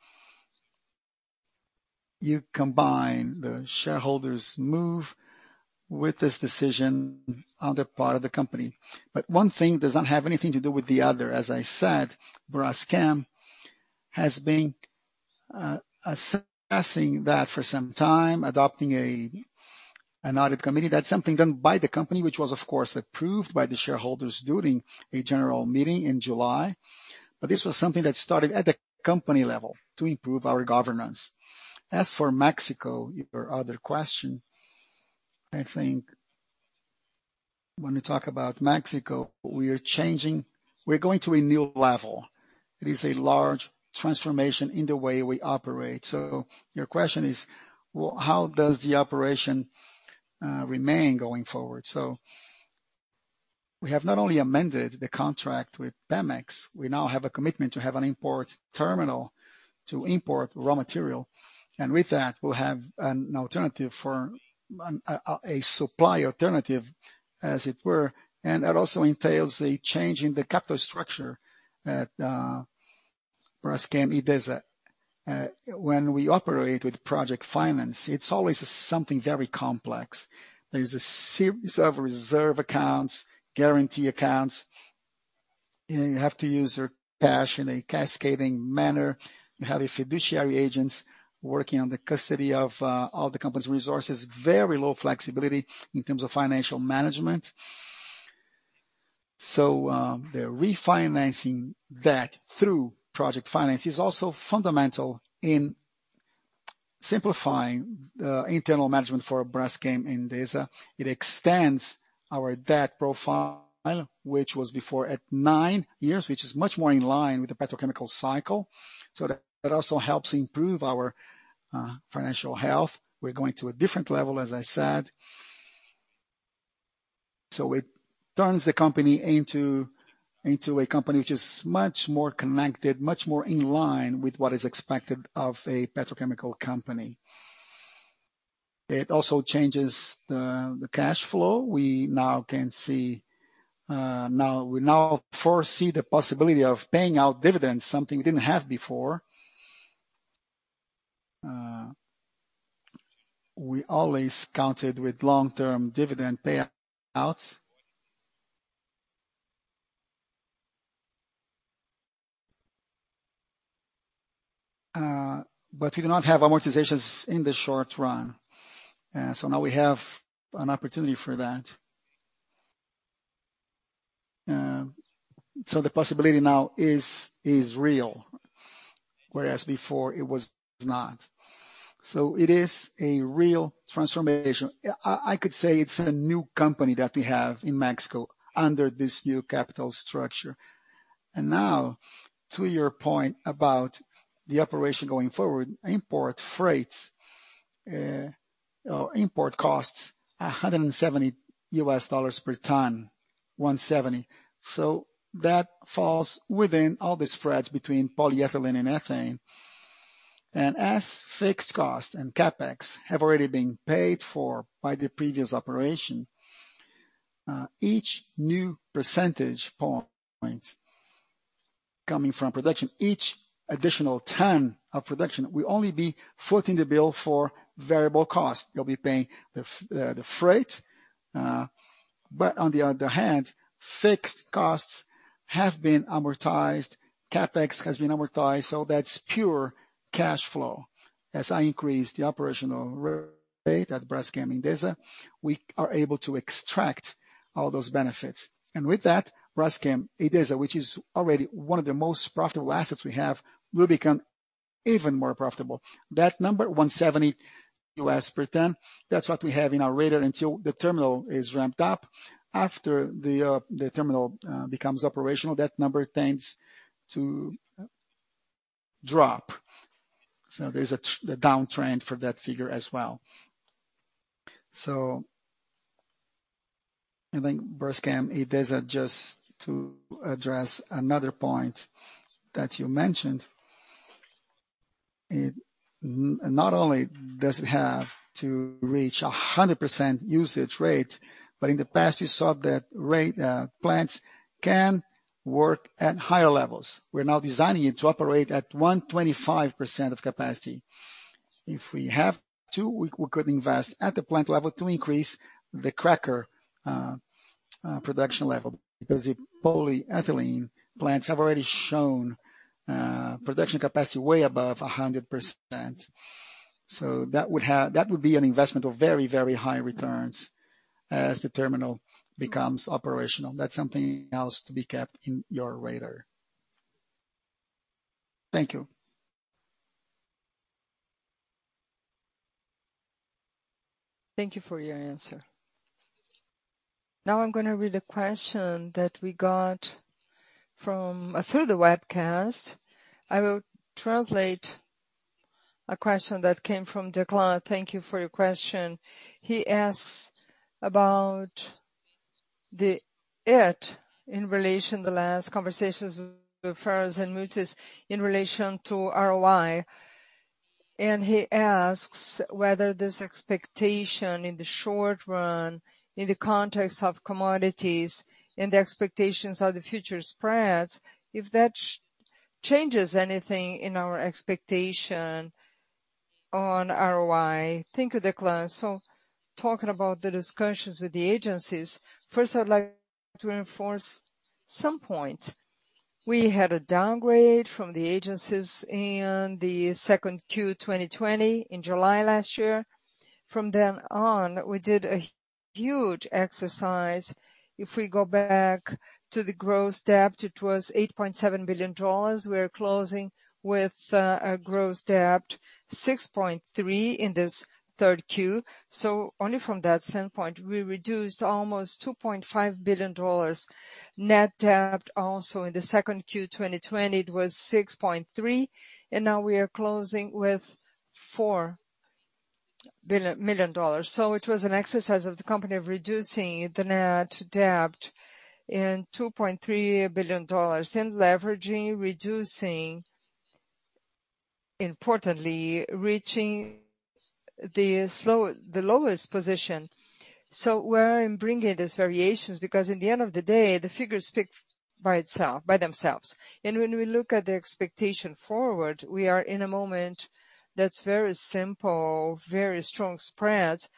You combine the shareholders' move with this decision on the part of the company. One thing does not have anything to do with the other. As I said, Braskem has been assessing that for some time, adopting an audit committee. That's something done by the company, which was of course approved by the shareholders during a general meeting in July. This was something that started at the company level to improve our governance. As for Mexico, your other question, I think when we talk about Mexico, we are changing. We're going to a new level. It is a large transformation in the way we operate. Your question is how does the operation remain going forward? We have not only amended the contract with Pemex, we now have a commitment to have an import terminal to import raw material, and with that, we'll have an alternative for a supply alternative, as it were. That also entails a change in the capital structure at Braskem Idesa when we operate with project finance, it's always something very complex. There is a series of reserve accounts, guarantee accounts. You know, you have to use your cash in a cascading manner. You have your fiduciary agents working on the custody of all the company's resources. Very low flexibility in terms of financial management. They're refinancing that through project finance is also fundamental in simplifying internal management for Braskem Idesa. It extends our debt profile, which was before at nine years, which is much more in line with the petrochemical cycle. That also helps improve our financial health. We're going to a different level, as I said. It turns the company into a company which is much more connected, much more in line with what is expected of a petrochemical company. It also changes the cash flow. We now can see we now foresee the possibility of paying out dividends, something we didn't have before. We always counted with long-term dividend payout. We do not have amortizations in the short run. Now we have an opportunity for that. The possibility now is real, whereas before it was not. It is a real transformation. I could say it's a new company that we have in Mexico under this new capital structure. Now to your point about the operation going forward, import freights or import costs $170 per ton. $170. That falls within all the spreads between polyethylene and ethane. As fixed cost and CapEx have already been paid for by the previous operation, each new percentage point coming from production, each additional ton of production will only be footing the bill for variable cost. You'll be paying the freight, but on the other hand, fixed costs have been amortized, CapEx has been amortized, so that's pure cash flow. As I increase the operational rate at Braskem Idesa, we are able to extract all those benefits. With that, Braskem Idesa, which is already one of the most profitable assets we have, will become even more profitable. That number, $170 per ton, that's what we have in our radar until the terminal is ramped up. After the terminal becomes operational, that number tends to drop. There's a downtrend for that figure as well. I think Braskem Idesa, just to address another point that you mentioned, it not only does it have to reach a 100% usage rate, but in the past you saw that rate, plants can work at higher levels. We're now designing it to operate at 125% of capacity. If we have to, we could invest at the plant level to increase the cracker production level because the polyethylene plants have already shown production capacity way above 100%. That would be an investment of very, very high returns as the terminal becomes operational. That's something else to be kept in your radar. Thank you. Thank you for your answer. Now I'm gonna read a question that we got from through the webcast. I will translate a question that came from Declan. Thank you for your question. He asks about the rating in relation to the last conversations with Fitch and Moody's in relation to ROI. He asks whether this expectation in the short run, in the context of commodities and the expectations of the future spreads, if that changes anything in our expectation on ROI. Thank you, Declan. Talking about the discussions with the agencies, first, I'd like to reinforce some points. We had a downgrade from the agencies in second Q 2020, in July last year. From then on, we did a huge exercise. If we go back to the gross debt, it was $8.7 billion. We are closing with a gross debt of $6.3 billion in this third Q. Only from that standpoint, we reduced almost $2.5 billion. Net debt also in the second Q 2020, it was $6.3 billion, and now we are closing with $4 billion. It was an exercise of the company of reducing the net debt in $2.3 billion in leveraging, reducing. Importantly reaching the lowest position. Why I'm bringing these variations because at the end of the day, the figures speak by themselves. When we look at the expectation forward, we are in a moment that's very simple, very strong spreads,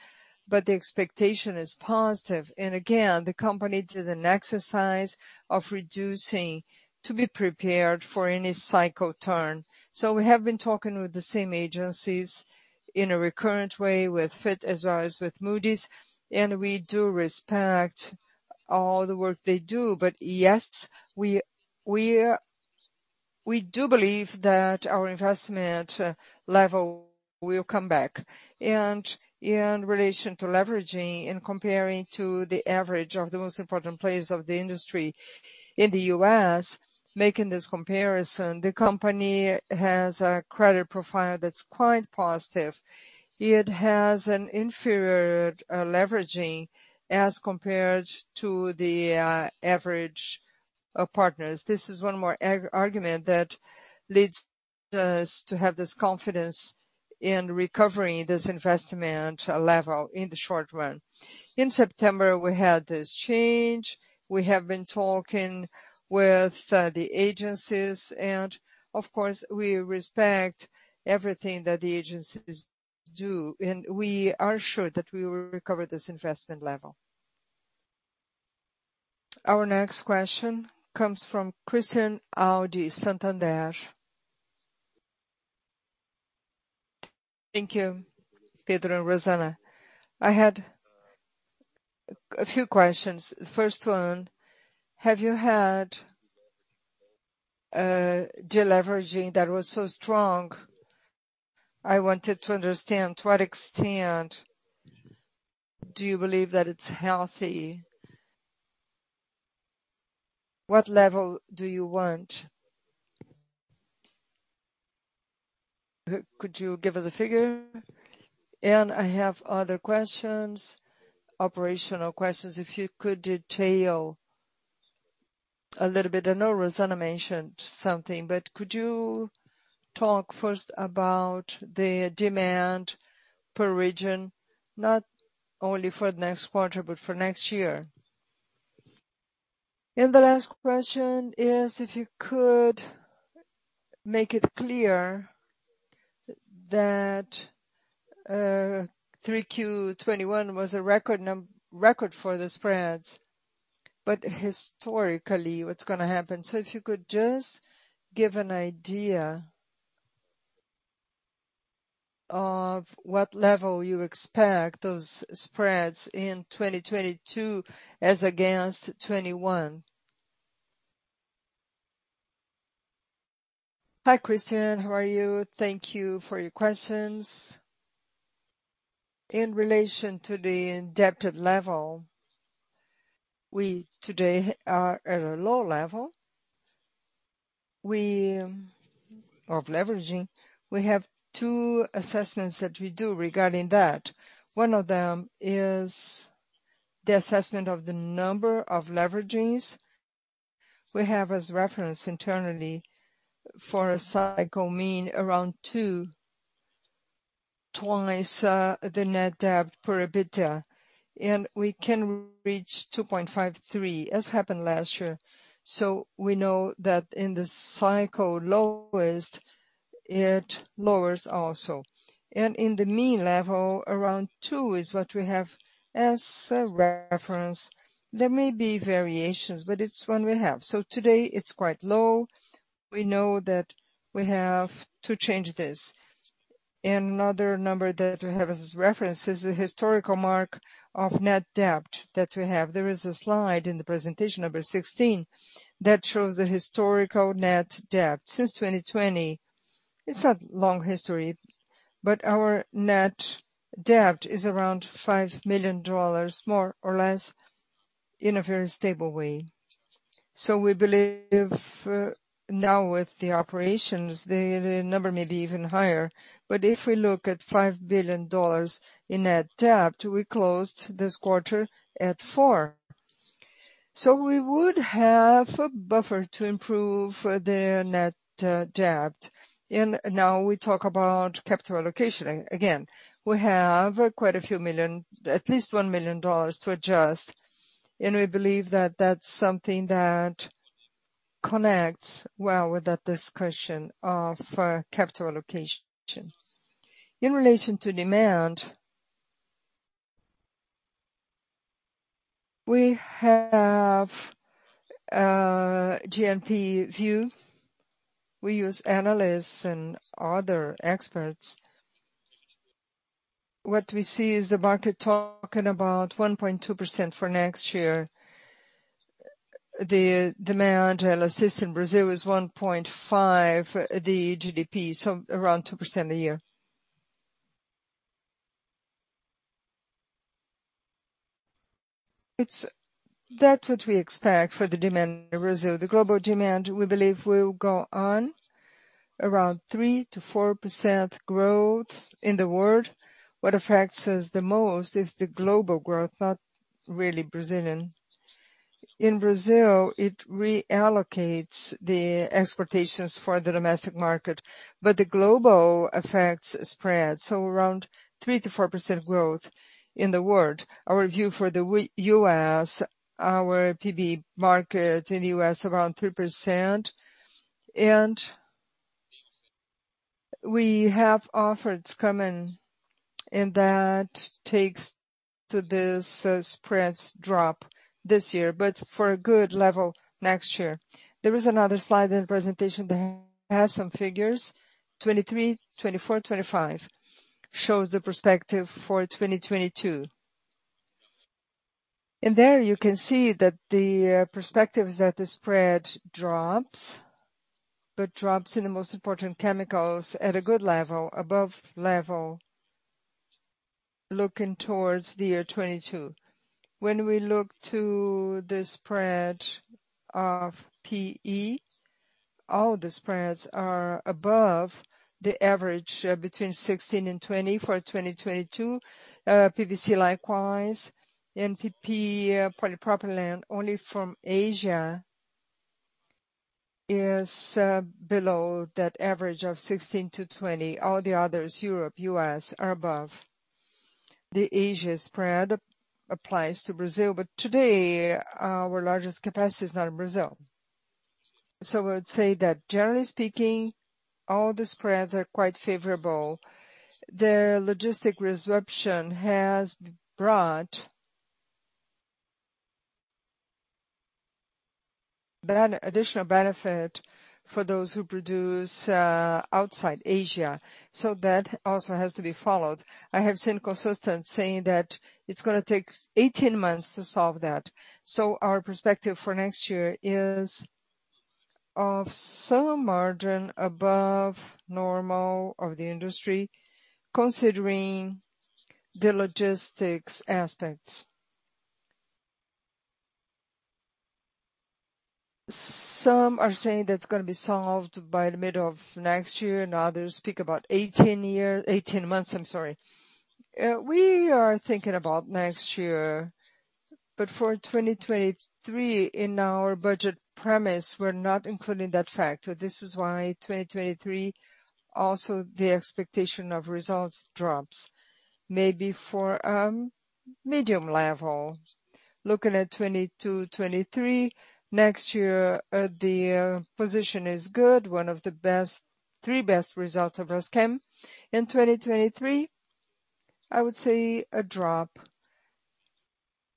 but the expectation is positive. Again, the company did an exercise of reducing to be prepared for any cycle turn. We have been talking with the same agencies in a recurrent way, with Fitch as well as with Moody's, and we do respect all the work they do. Yes, we do believe that our investment grade will come back. In relation to leverage, in comparing to the average of the most important players of the industry in the U.S., making this comparison, the company has a credit profile that's quite positive. It has an inferior leverage as compared to the average of partners. This is one more argument that leads us to have this confidence in recovering this investment grade in the short run. In September, we had this change. We have been talking with the agencies, and of course, we respect everything that the agencies do, and we are sure that we will recover this investment grade. Our next question comes from Christian Audi, Santander. Thank you, Pedro and Rosana. I had a few questions. First one, have you had deleveraging that was so strong? I wanted to understand to what extent do you believe that it's healthy? What level do you want? Could you give us a figure? I have other questions, operational questions, if you could detail a little bit. I know Rosana mentioned something, but could you talk first about the demand per region, not only for next quarter but for next year? The last question is if you could make it clear that 3Q 2021 was a record for the spreads, but historically, what's gonna happen? So if you could just give an idea of what level you expect those spreads in 2022 as against 2021. Hi, Christian. How are you? Thank you for your questions. In relation to the indebted level, we today are at a low level. Of leveraging, we have two assessments that we do regarding that. One of them is the assessment of the number of leveragings. We have as reference internally for a cycle mean around two, twice, the net debt for EBITDA. We can reach 2.53, as happened last year. We know that in the cycle lowest, it lowers also. In the mean level, around two is what we have as a reference. There may be variations, but it's one we have. Today it's quite low. We know that we have to change this. Another number that we have as reference is the historical mark of net debt that we have. There is a slide in the presentation, number 16, that shows the historical net debt since 2020. It's not long history, but our net debt is around $5 million, more or less, in a very stable way. We believe now with the operations, the number may be even higher. If we look at $5 billion in net debt, we closed this quarter at 4. We would have a buffer to improve the net debt. Now we talk about capital allocation. Again, we have quite a few million, at least $1 million to adjust. We believe that that's something that connects well with that discussion of capital allocation. In relation to demand, we have GDP view. We use analysts and other experts. What we see is the market talking about 1.2% for next year. The demand growth rate in Brazil is 1.5 the GDP, so around 2% a year. That's what we expect for the demand in Brazil. The global demand, we believe, will grow at around 3%-4% growth in the world. What affects us the most is the global growth, not really Brazilian. In Brazil, it reallocates the exports for the domestic market, but the global effects spread, so around 3%-4% growth in the world. Our view for the US, our PE market in the US around 3%. We have offers coming, and that takes to this, spreads drop this year, but for a good level next year. There is another slide in the presentation that has some figures. 23, 24, 25 shows the perspective for 2022. There you can see that the perspective is that the spread drops, but drops in the most important chemicals at a good level, above level looking towards the year 2022. When we look to the spread of PE, all the spreads are above the average between 16 and 20 for 2022. PVC likewise. PP, polypropylene, only from Asia is below that average of 16-20. All the others, Europe, U.S., are above. The Asia spread applies to Brazil, but today our largest capacity is not in Brazil. I would say that generally speaking, all the spreads are quite favorable. The logistic disruption has brought that additional benefit for those who produce outside Asia. That also has to be followed. I have seen consultants saying that it's gonna take 18 months to solve that. Our perspective for next year is of some margin above normal of the industry, considering the logistics aspects. Some are saying that's gonna be solved by the middle of next year, and others speak about 18 months. We are thinking about next year, but for 2023, in our budget premise, we're not including that factor. This is why 2023 also the expectation of results drops maybe for medium level. Looking at 2022, 2023, next year, the position is good, one of the best three best results of Braskem. In 2023, I would say a drop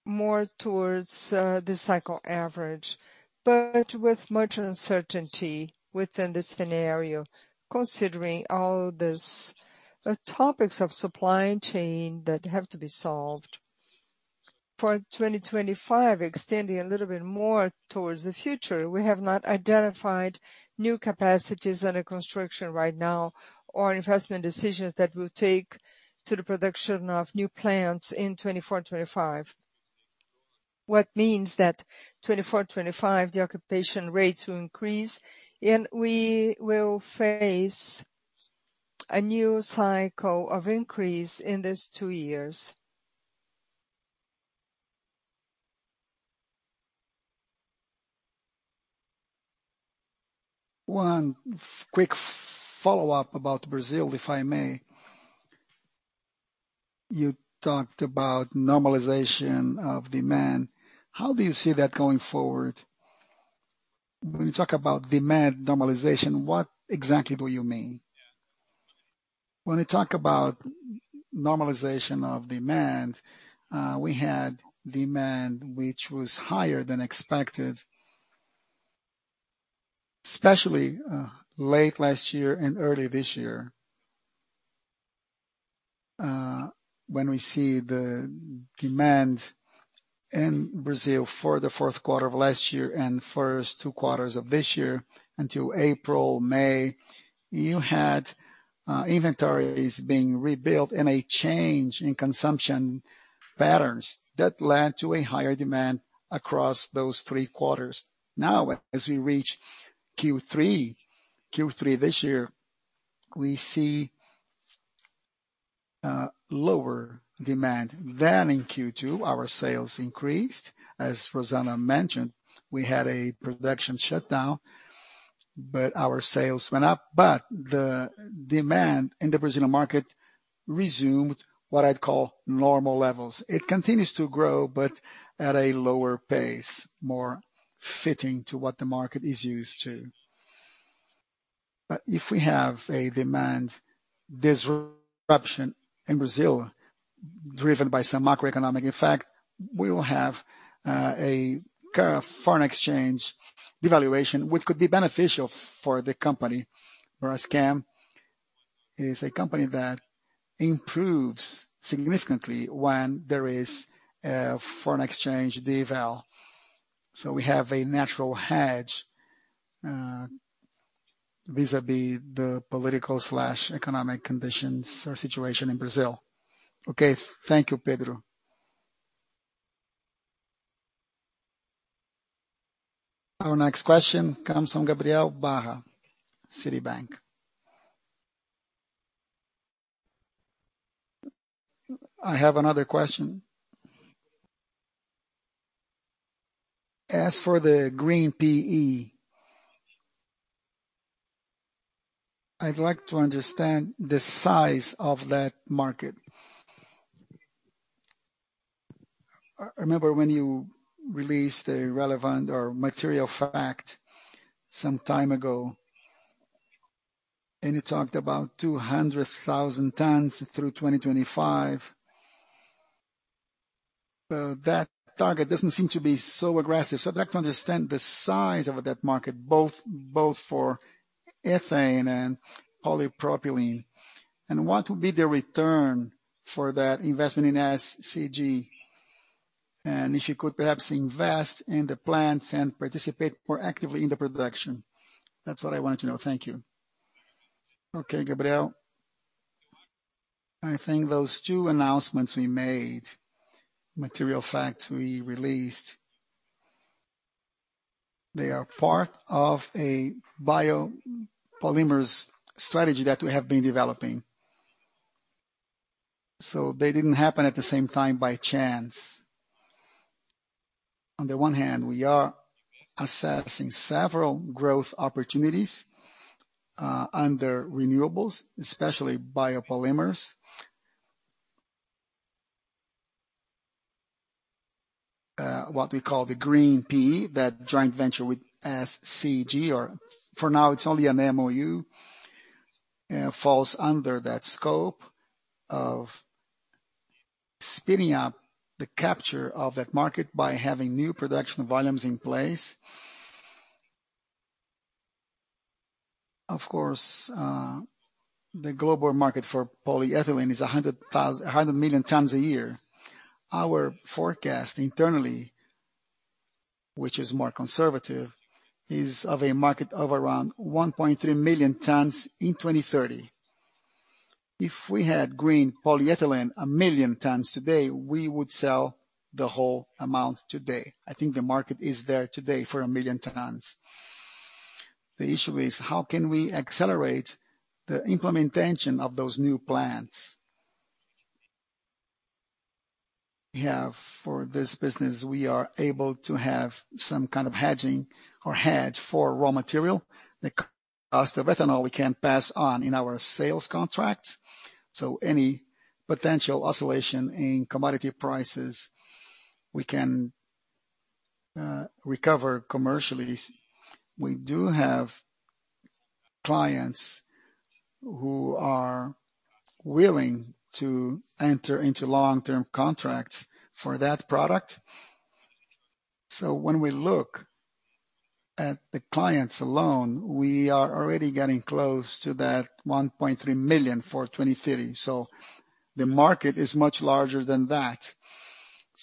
more towards the cycle average, but with much uncertainty within the scenario considering all this topics of supply chain that have to be solved. For 2025, extending a little bit more towards the future, we have not identified new capacities under construction right now or investment decisions that will lead to the production of new plants in 2024, 2025. That means that 2024, 2025, the occupation rates will increase, and we will face a new cycle of increase in these two years. One quick follow-up about Brazil, if I may. You talked about normalization of demand. How do you see that going forward? When you talk about demand normalization, what exactly do you mean? When we talk about normalization of demand, we had demand which was higher than expected, especially, late last year and early this year. When we see the demand in Brazil for the fourth quarter of last year and first two quarters of this year until April, May, you had, inventories being rebuilt and a change in consumption patterns that led to a higher demand across those three quarters. Now, as we reach Q3 this year, we see lower demand. In Q2, our sales increased. As Rosana mentioned, we had a production shutdown, but our sales went up. The demand in the Brazilian market resumed what I'd call normal levels. It continues to grow, but at a lower pace, more fitting to what the market is used to. If we have a demand disruption in Brazil driven by some macroeconomic effect, we will have a foreign exchange devaluation, which could be beneficial for the company. Braskem is a company that improves significantly when there is a foreign exchange devaluation. We have a natural hedge vis-à-vis the political/economic conditions or situation in Brazil. Okay. Thank you, Pedro. Our next question comes from Gabriel Barra, Citibank. I have another question. As for the green PE, I'd like to understand the size of that market. I remember when you released a relevant or material fact some time ago, and you talked about 200,000 tons through 2025. Well, that target doesn't seem to be so aggressive, so I'd like to understand the size of that market, both for ethane and polypropylene, and what will be the return for that investment in SCG, and if you could perhaps invest in the plants and participate more actively in the production. That's what I wanted to know. Thank you. Okay, Gabriel. I think those two announcements we made, material facts we released, they are part of a biopolymers strategy that we have been developing, so they didn't happen at the same time by chance. On the one hand, we are assessing several growth opportunities under renewables, especially biopolymers. What we call the green PE, that joint venture with SCG or for now it's only an MOU, falls under that scope of speeding up the capture of that market by having new production volumes in place. Of course, the global market for polyethylene is 100 million tons a year. Our forecast internally, which is more conservative, is of a market of around 1.3 million tons in 2030. If we had green polyethylene 1 million tons today, we would sell the whole amount today. I think the market is there today for 1 million tons. The issue is how can we accelerate the implementation of those new plants. We have for this business, we are able to have some kind of hedging or hedge for raw material. The cost of ethanol we can pass on in our sales contract, so any potential oscillation in commodity prices, we can recover commercially. We do have clients who are willing to enter into long-term contracts for that product. When we look at the clients alone, we are already getting close to that 1.3 million for 2030. The market is much larger than that.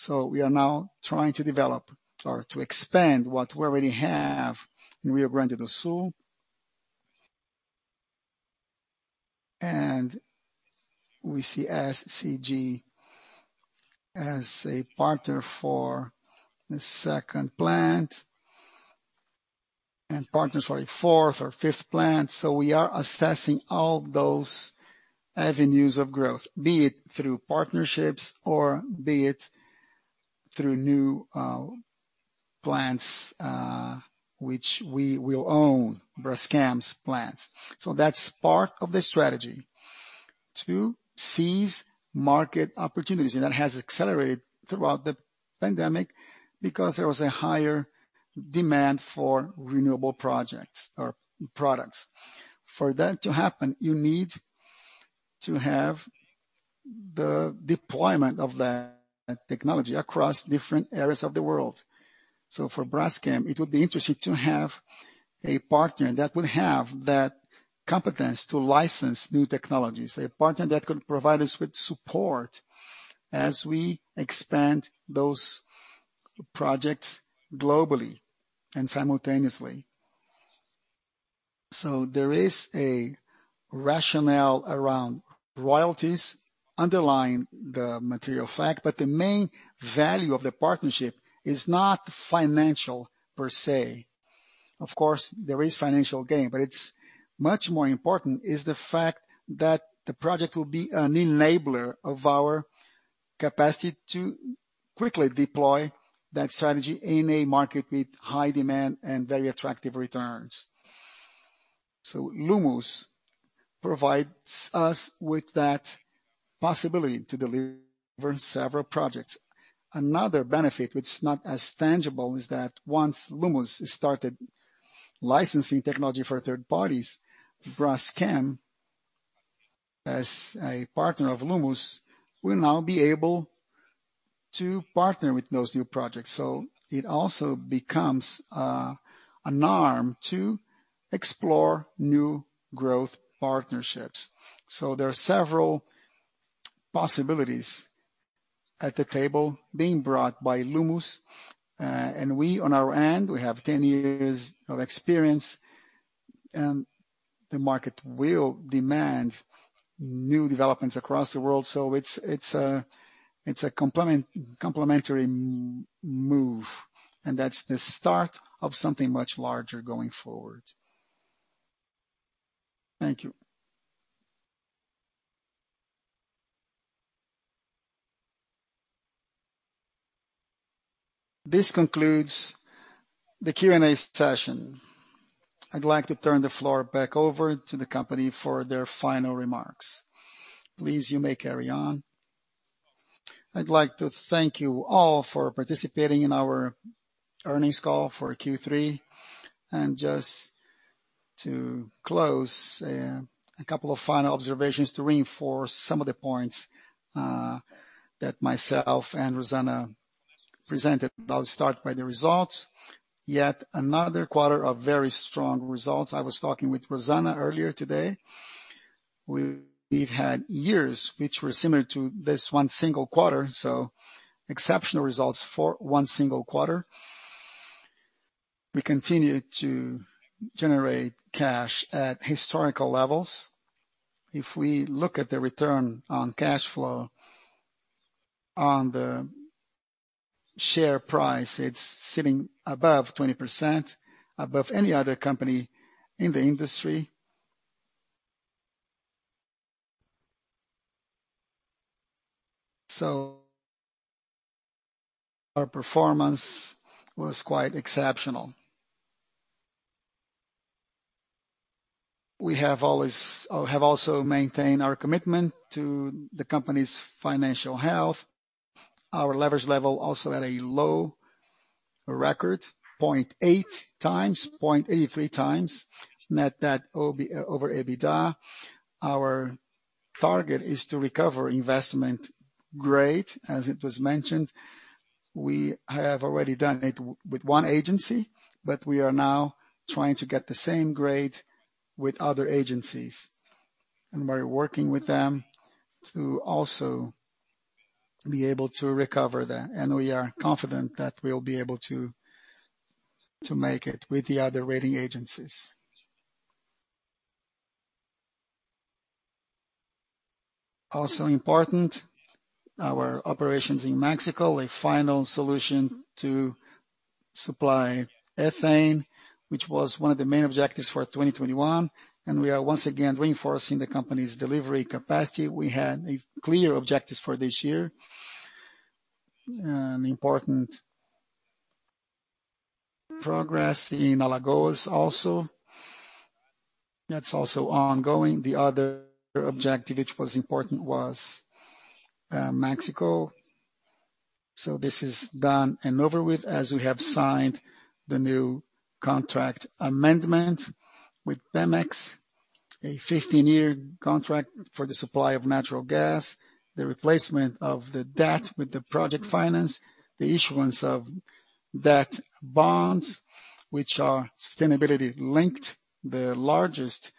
We are now trying to develop or to expand what we already have in Rio Grande do Sul. We see SCG as a partner for the second plant and partners for a fourth or fifth plant. We are assessing all those avenues of growth, be it through partnerships or be it through new plants, which we will own, Braskem's plants. That's part of the strategy to seize market opportunities, and that has accelerated throughout the pandemic because there was a higher demand for renewable projects or products. For that to happen, you need to have the deployment of that technology across different areas of the world. For Braskem, it would be interesting to have a partner that would have that competence to license new technologies, a partner that could provide us with support as we expand those projects globally and simultaneously. There is a rationale around royalties underlying the material fact, but the main value of the partnership is not financial per se. Of course, there is financial gain, but it's much more important is the fact that the project will be an enabler of our capacity to quickly deploy that strategy in a market with high demand and very attractive returns. Lummus provides us with that possibility to deliver several projects. Another benefit, which is not as tangible, is that once Lummus has started licensing technology for third parties, Braskem, as a partner of Lummus, will now be able to partner with those new projects. It also becomes an arm to explore new growth partnerships. There are several possibilities at the table being brought by Lummus. We on our end, we have 10 years of experience and the market will demand new developments across the world. It's a complementary move, and that's the start of something much larger going forward. Thank you. This concludes the Q&A session. I'd like to turn the floor back over to the company for their final remarks. Please, you may carry on. I'd like to thank you all for participating in our earnings call for Q3. Just to close, a couple of final observations to reinforce some of the points that myself and Rosana presented. I'll start by the results. Yet another quarter of very strong results. I was talking with Rosana earlier today. We've had years which were similar to this one single quarter, so exceptional results for one single quarter. We continued to generate cash at historical levels. If we look at the return on cash flow on the share price, it's sitting above 20%, above any other company in the industry. Our performance was quite exceptional. We have also maintained our commitment to the company's financial health. Our leverage level also at a low record, 0.8x, 0.83x, net debt over EBITDA. Our target is to recover investment grade, as it was mentioned. We have already done it with one agency, but we are now trying to get the same grade with other agencies, and we're working with them to also be able to recover that. We are confident that we'll be able to make it with the other rating agencies. Important, our operations in Mexico, a final solution to supply ethane, which was one of the main objectives for 2021. We are once again reinforcing the company's delivery capacity. We had a clear objectives for this year, and important progress in Alagoas also. That's also ongoing. The other objective, which was important, was Mexico. This is done and over with as we have signed the new contract amendment with Pemex, a 15-year contract for the supply of ethane, the replacement of the debt with the project finance, the issuance of debt bonds, which are sustainability-linked. The largest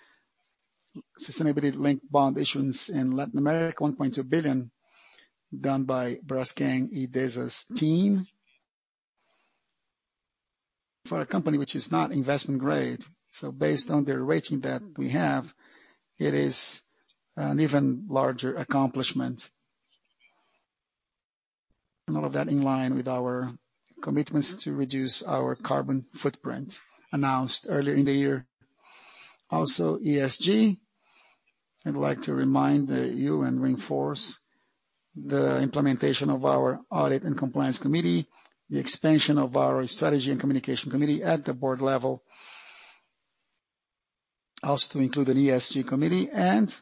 sustainability-linked bond issuance in Latin America, $1.2 billion done by Braskem Idesa's team. For a company which is not investment grade. Based on their rating that we have, it is an even larger accomplishment. All of that in line with our commitments to reduce our carbon footprint announced earlier in the year. Also, ESG, I'd like to remind you and reinforce the implementation of our audit and compliance committee, the expansion of our strategy and communication committee at the board level. To include an ESG committee, and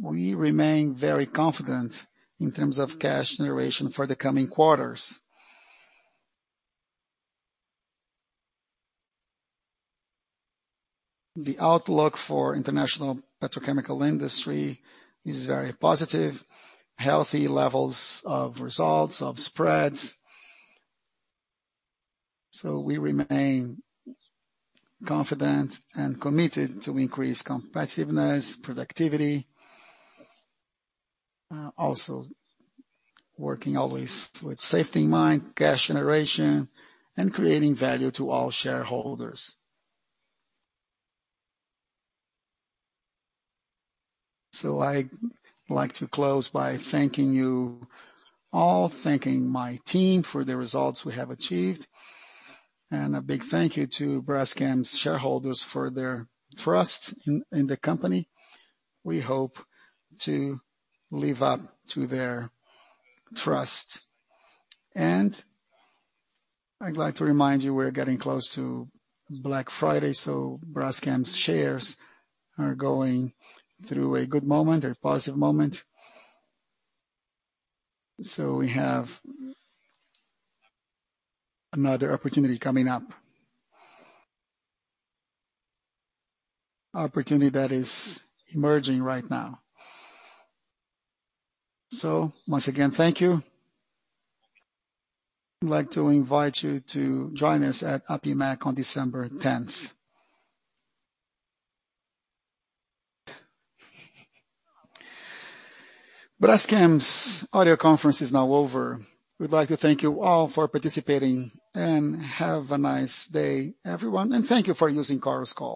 we remain very confident in terms of cash generation for the coming quarters. The outlook for international petrochemical industry is very positive, healthy levels of results, of spreads. We remain confident and committed to increase competitiveness, productivity, also working always with safety in mind, cash generation, and creating value to all shareholders. I like to close by thanking you all, thanking my team for the results we have achieved, and a big thank you to Braskem's shareholders for their trust in the company. We hope to live up to their trust. I'd like to remind you, we're getting close to Black Friday, so Braskem's shares are going through a good moment, a positive moment. We have another opportunity coming up that is emerging right now. Once again, thank you. I'd like to invite you to join us at APIMEC on December 10th. Braskem's audio conference is now over. We'd like to thank you all for participating, and have a nice day, everyone, and thank you for using Chorus Call.